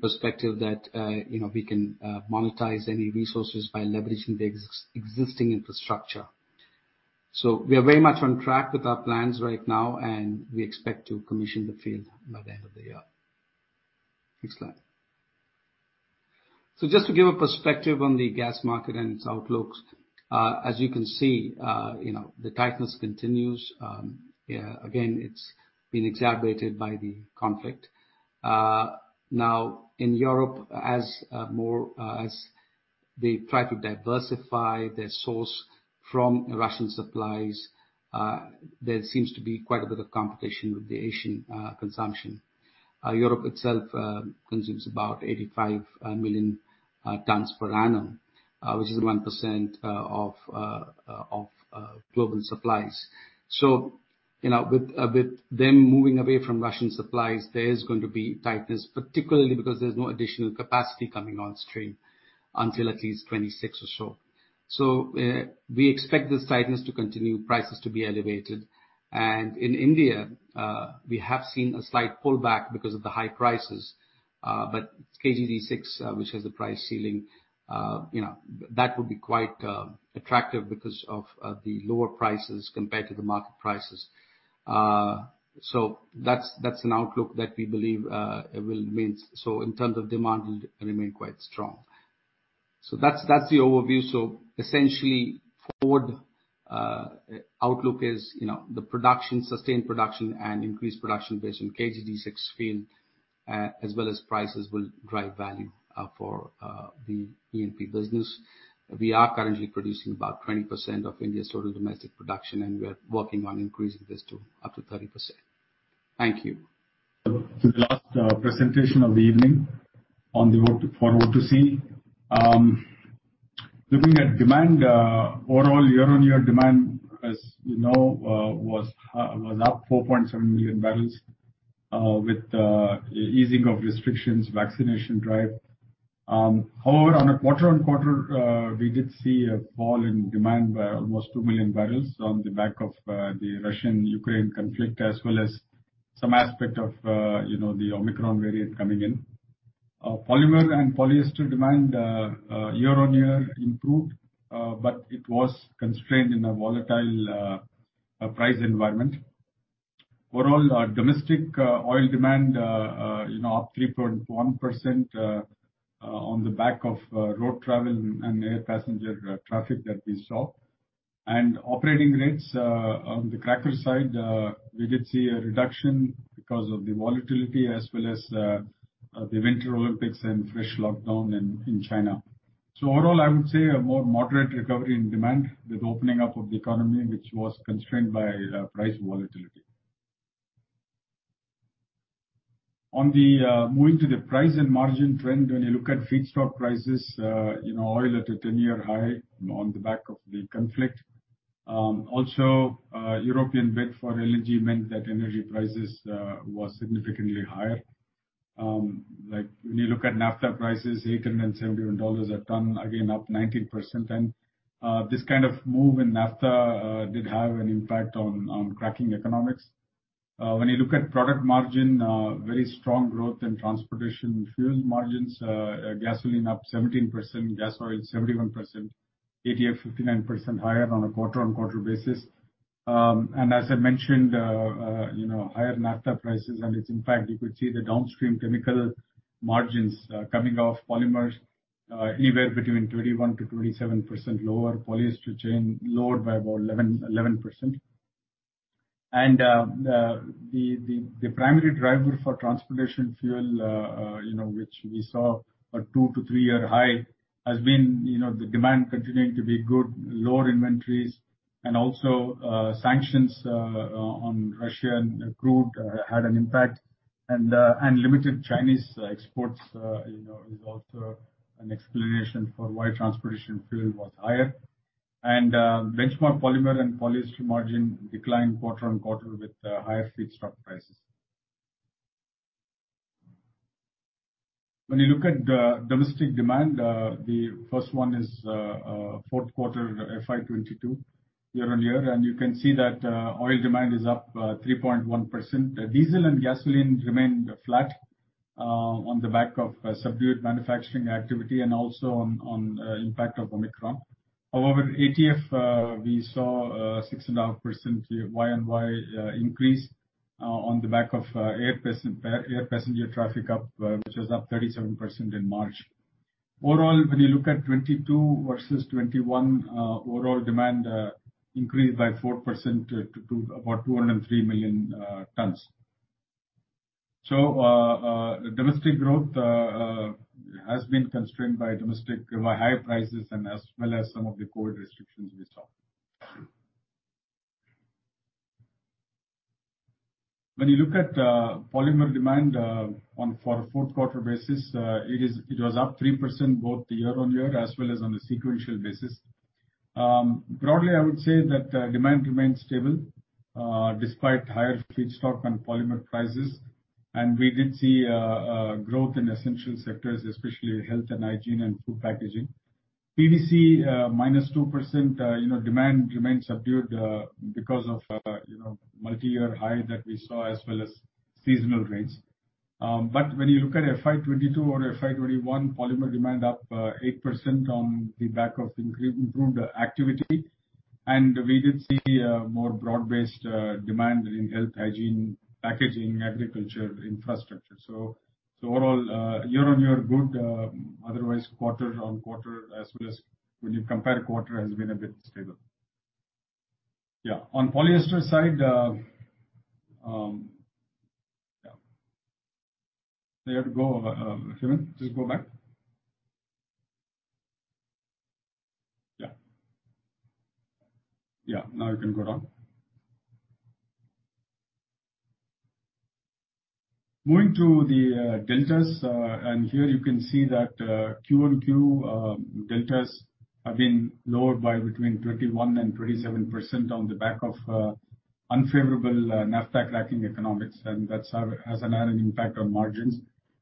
perspective that, you know, we can monetize any resources by leveraging the existing infrastructure. We are very much on track with our plans right now, and we expect to commission the field by the end of the year. Next slide. Just to give a perspective on the gas market and its outlooks, as you can see, you know, the tightness continues. Yeah, again, it's been exacerbated by the conflict now in Europe as they try to diversify their source from Russian supplies, there seems to be quite a bit of competition with the Asian consumption. Europe itself consumes about 85 million tons per annum, which is 1% of global supplies. You know, with them moving away from Russian supplies, there is going to be tightness, particularly because there's no additional capacity coming on stream until at least 2026 or so. We expect this tightness to continue, prices to be elevated. In India, we have seen a slight pullback because of the high prices. KG-D6, which has the price ceiling, you know, that would be quite attractive because of the lower prices compared to the market prices. That's an outlook that we believe it will remain. In terms of demand, it will remain quite strong. That's the overview. Essentially, forward outlook is, you know, the production, sustained production and increased production based on KG-D6 field, as well as prices will drive value, for the E&P business. We are currently producing about 20% of India's total domestic production, and we are working on increasing this to up to 30%. Thank you. To the last presentation of the evening on O2C. Looking at demand, overall year-on-year demand, as you know, was up 4.7 million barrels with easing of restrictions, vaccination drive. However, on a quarter-on-quarter, we did see a fall in demand by almost 2 million barrels on the back of the Russia-Ukraine conflict as well as some aspect of, you know, the Omicron variant coming in. Polymer and polyester demand year-on-year improved, but it was constrained in a volatile price environment. Overall, our domestic oil demand, you know, up 3.1% on the back of road travel and air passenger traffic that we saw. Operating rates on the cracker side, we did see a reduction because of the volatility as well as the Winter Olympics and fresh lockdown in China. Overall, I would say a more moderate recovery in demand with opening up of the economy, which was constrained by price volatility. On moving to the price and margin trend, when you look at feedstock prices, you know, oil at a 10-year high on the back of the conflict. Also, European bid for LNG meant that energy prices was significantly higher. Like, when you look at naphtha prices, $871 a ton, again up 19%. This kind of move in naphtha did have an impact on cracking economics. When you look at product margin, very strong growth in transportation fuel margins, gasoline up 17%, gas oil 71%, ATF 59% higher on a quarter-over-quarter basis. As I mentioned, you know, higher naphtha prices and its impact, you could see the downstream chemical margins coming off polymers anywhere between 21%-27% lower. Polyester chain lowered by about 11%. The primary driver for transportation fuel, you know, which we saw a 2- to 3-year high, has been, you know, the demand continuing to be good, lower inventories and also sanctions on Russian crude had an impact. Limited Chinese exports, you know, is also an explanation for why transportation fuel was higher. Benchmark polymer and polyester margin declined quarter-on-quarter with higher feedstock prices. When you look at domestic demand, the first one is fourth quarter FY 2022 year-on-year. You can see that oil demand is up 3.1%. Diesel and gasoline remained flat on the back of subdued manufacturing activity and also on impact of Omicron. However, ATF, we saw a 6.5% year-on-year increase on the back of air passenger traffic up, which was up 37% in March. Overall, when you look at 2022 versus 2021, overall demand increased by 4% to about 203 million tons. Domestic growth has been constrained by domestic high prices and as well as some of the COVID restrictions we saw. When you look at polymer demand on a fourth quarter basis, it was up 3% both year-on-year as well as on a sequential basis. Broadly, I would say that demand remains stable despite higher feedstock and polymer prices. We did see growth in essential sectors, especially health and hygiene and food packaging. PVC -2%, you know, demand remains subdued because of, you know, multi-year high that we saw as well as seasonal rains. When you look at FY 2022 over FY 2021, polymer demand up 8% on the back of increased improved activity. We did see a more broad-based demand in health, hygiene, packaging, agriculture, infrastructure. Overall, year-on-year good, otherwise quarter-on-quarter as well as when you compare quarter has been a bit stable. On polyester side. You have to go, Hemant. Just go back. Now you can go down. Moving to the deltas. Here you can see that QOQ deltas have been lowered by between 31% and 37% on the back of unfavorable Naphtha cracking economics. That's had an impact on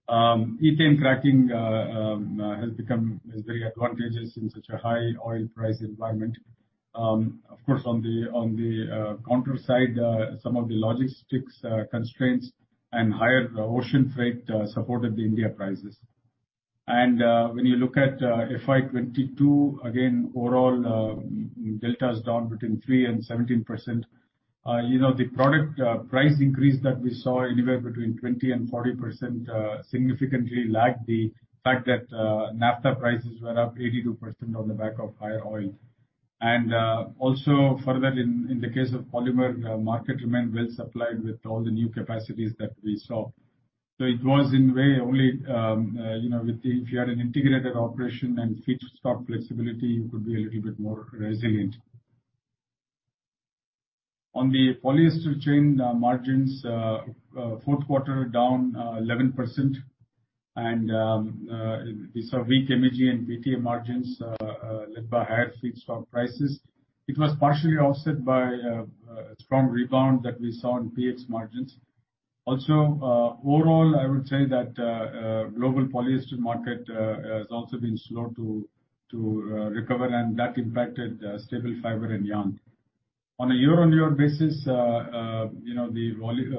margins. Ethane cracking is very advantageous in such a high oil price environment. Of course, on the counter side, some of the logistics constraints and higher ocean freight supported the Indian prices. When you look at FY 2022, again, overall, deltas down between 3% and 17%. You know, the product price increase that we saw anywhere between 20% and 40% significantly lagged the fact that naphtha prices were up 82% on the back of higher oil. Also further in the case of polymer market remained well-supplied with all the new capacities that we saw. It was in a way only, you know, if you had an integrated operation and feedstock flexibility, you could be a little bit more resilient. On the polyester chain, margins fourth quarter down 11%. We saw weak MEG and PTA margins led by higher feedstock prices. It was partially offset by a strong rebound that we saw in PX margins. Also, overall, I would say that global polyester market has also been slow to recover and that impacted staple fiber and yarn. On a year-on-year basis, you know,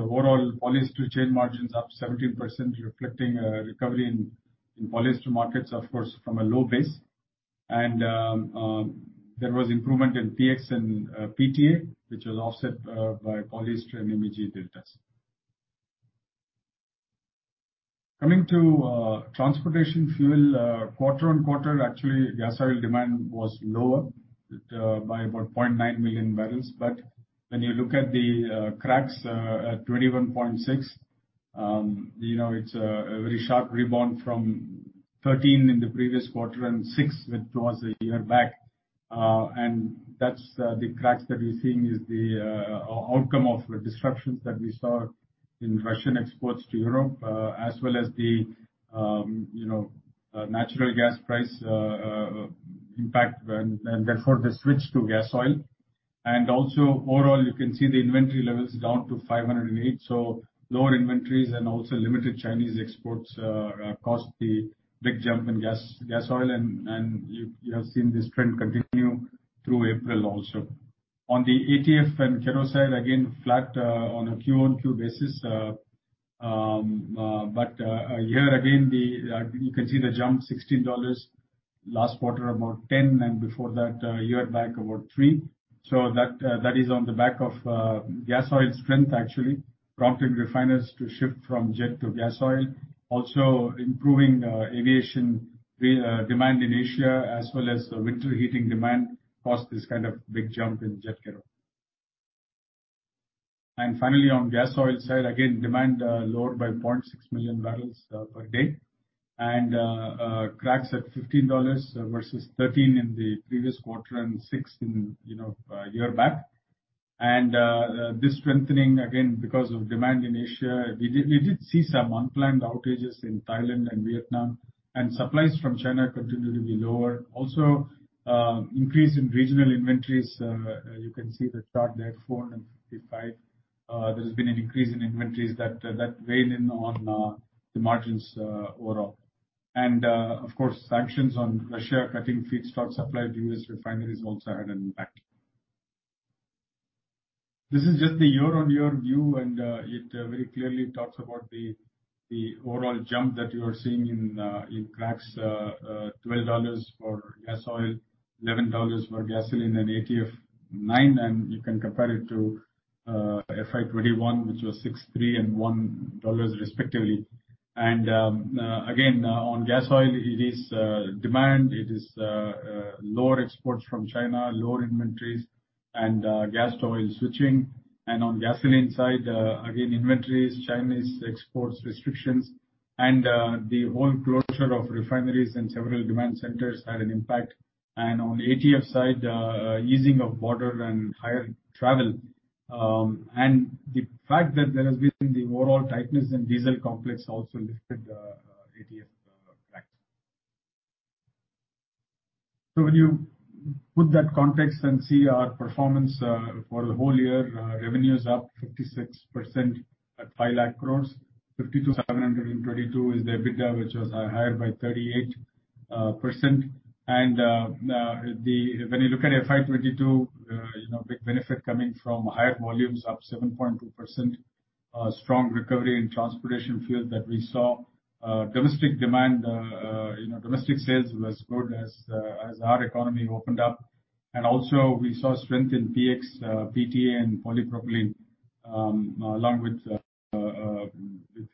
overall polyester chain margins up 17%, reflecting a recovery in polyester markets, of course, from a low base. There was improvement in PX and PTA, which was offset by polyester and MEG deltas. Coming to transportation fuel, quarter-on-quarter, actually gasoil demand was lower by about 0.9 million barrels. When you look at the cracks at $21.6, you know, it's a very sharp rebound from $13 in the previous quarter and $6 that was a year back. That's the cracks that we're seeing is the outcome of the disruptions that we saw in Russian exports to Europe, as well as the you know natural gas price impact and therefore the switch to gasoil. Also overall you can see the inventory levels down to 508. Lower inventories and also limited Chinese exports caused the big jump in gasoil and you have seen this trend continue through April also. On the ATF and kerosene, again, flat on a quarter-over-quarter basis. A year ago, then you can see the jump $16, last quarter about 10, and before that, a year back, about 3. That is on the back of gasoil's strength actually prompted refiners to shift from jet to gasoil. Also improving aviation demand in Asia as well as winter heating demand caused this kind of big jump in jet kero. Finally on gasoil side, again, demand rose by 0.6 million barrels per day. Cracks at $15 versus 13 in the previous quarter and 6 in a year back. This strengthening again because of demand in Asia. We did see some unplanned outages in Thailand and Vietnam, and supplies from China continued to be lower. Also, increase in regional inventories. You can see the chart there, 455. There has been an increase in inventories that weighed in on the margins overall. Of course, sanctions on Russia cutting feedstock supply to U.S. refineries also had an impact. This is just the year-on-year view and it very clearly talks about the overall jump that you are seeing in cracks, $12 for gasoil, $11 for gasoline and ATF $9, and you can compare it to FY 2021, which was $6, $3, and $1 respectively. Again, on gasoil it is demand, lower exports from China, lower inventories and gas to oil switching. On gasoline side, again, inventories, Chinese export restrictions and the whole closure of refineries in several demand centers had an impact. On ATF side, easing of borders and higher travel. The fact that there has been the overall tightness in diesel complex also lifted ATF cracks. When you put that context and see our performance for the whole year, revenue's up 56% at 5 lakh crore. 52,022 is the EBITDA, which was higher by 38%. When you look at FY 2022, you know, big benefit coming from higher volumes up 7.2%. A strong recovery in transportation field that we saw, domestic demand, domestic sales was good as our economy opened up. We also saw strength in PX, PTA, and polypropylene, along with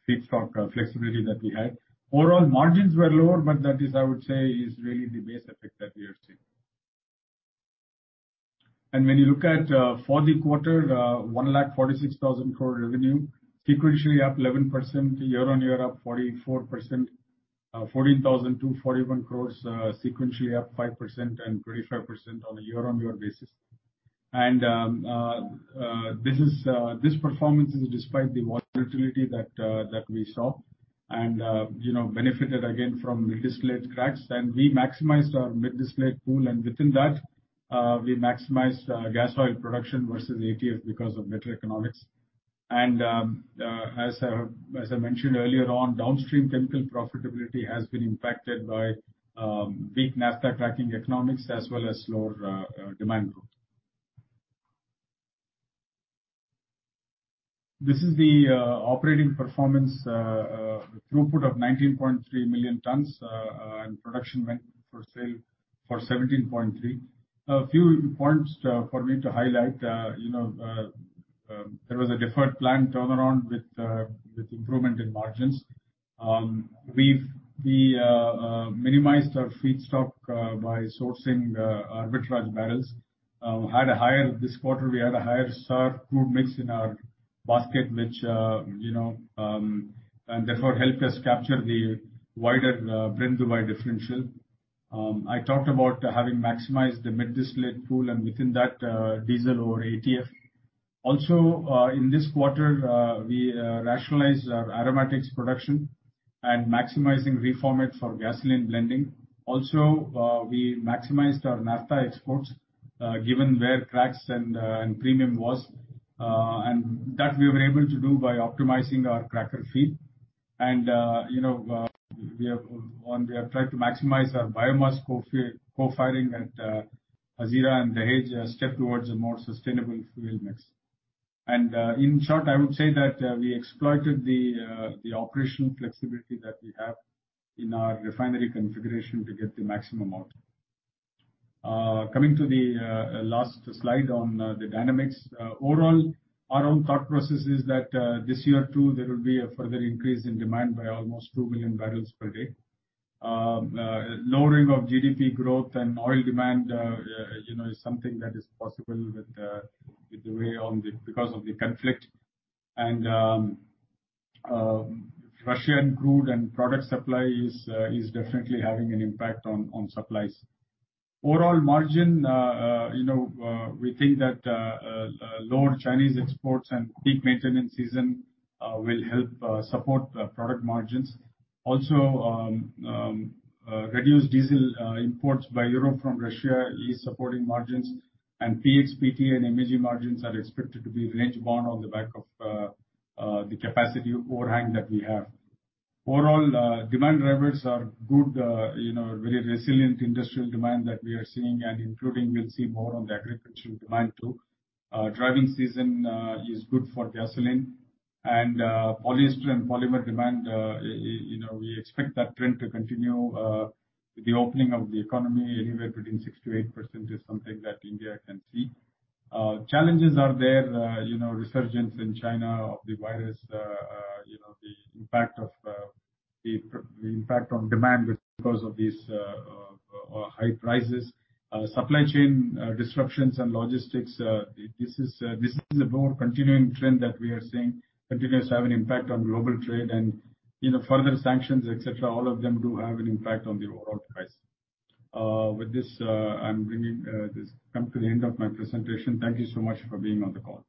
feedstock flexibility that we had. Overall margins were lower, but that is, I would say, really the base effect that we are seeing. When you look at, for the quarter, 1,46,000 crore revenue, sequentially up 11%, year-on-year up 44%. 14,241 crore, sequentially up 5% and 25% on a year-on-year basis. This performance is despite the volatility that we saw and, you know, benefited again from mid-distillate cracks. We maximized our mid-distillate pool, and within that, we maximized gas oil production versus ATF because of better economics. As I mentioned earlier on, downstream chemical profitability has been impacted by weak naphtha cracking economics as well as lower demand growth. This is the operating performance throughput of 19.3 million tons and production meant for sale of 17.3 million tons. A few points for me to highlight. You know, there was a deferred plant turnaround with improvement in margins. We've minimized our feedstock by sourcing arbitraged barrels. This quarter we had a higher sour crude mix in our basket, which you know and therefore helped us capture the wider Brent-Dubai differential. I talked about having maximized the mid-distillate pool and within that diesel over ATF. In this quarter, we rationalized our aromatics production and maximizing reformate for gasoline blending. We maximized our naphtha exports, given where cracks and premium was. That we were able to do by optimizing our cracker feed. You know, we have tried to maximize our biomass co-firing at Hazira and Dahej as a step towards a more sustainable fuel mix. In short, I would say that we exploited the operational flexibility that we have in our refinery configuration to get the maximum out. Coming to the last slide on the dynamics. Overall, our own thought process is that this year too, there will be a further increase in demand by almost 2 million barrels per day. Lowering of GDP growth and oil demand, you know, is something that is possible because of the conflict. Russian crude and product supply is definitely having an impact on supplies. Overall margin, you know, we think that lower Chinese exports and peak maintenance season will help support product margins. Also, reduced diesel imports by Europe from Russia is supporting margins and PX, PTA and MEG margins are expected to be range bound on the back of the capacity overhang that we have. Overall, demand drivers are good. You know, very resilient industrial demand that we are seeing and including we'll see more on the agricultural demand too. Driving season is good for gasoline. Polyester and polymer demand, you know, we expect that trend to continue with the opening of the economy. Anywhere between 6%-8% is something that India can see. Challenges are there, you know, resurgence in China of the virus, you know, the impact on demand because of these high prices. Supply chain disruptions and logistics, this is a more continuing trend that we are seeing, continues to have an impact on global trade and, you know, further sanctions, et cetera, all of them do have an impact on the overall price. With this, I'm coming to the end of my presentation. Thank you so much for being on the call.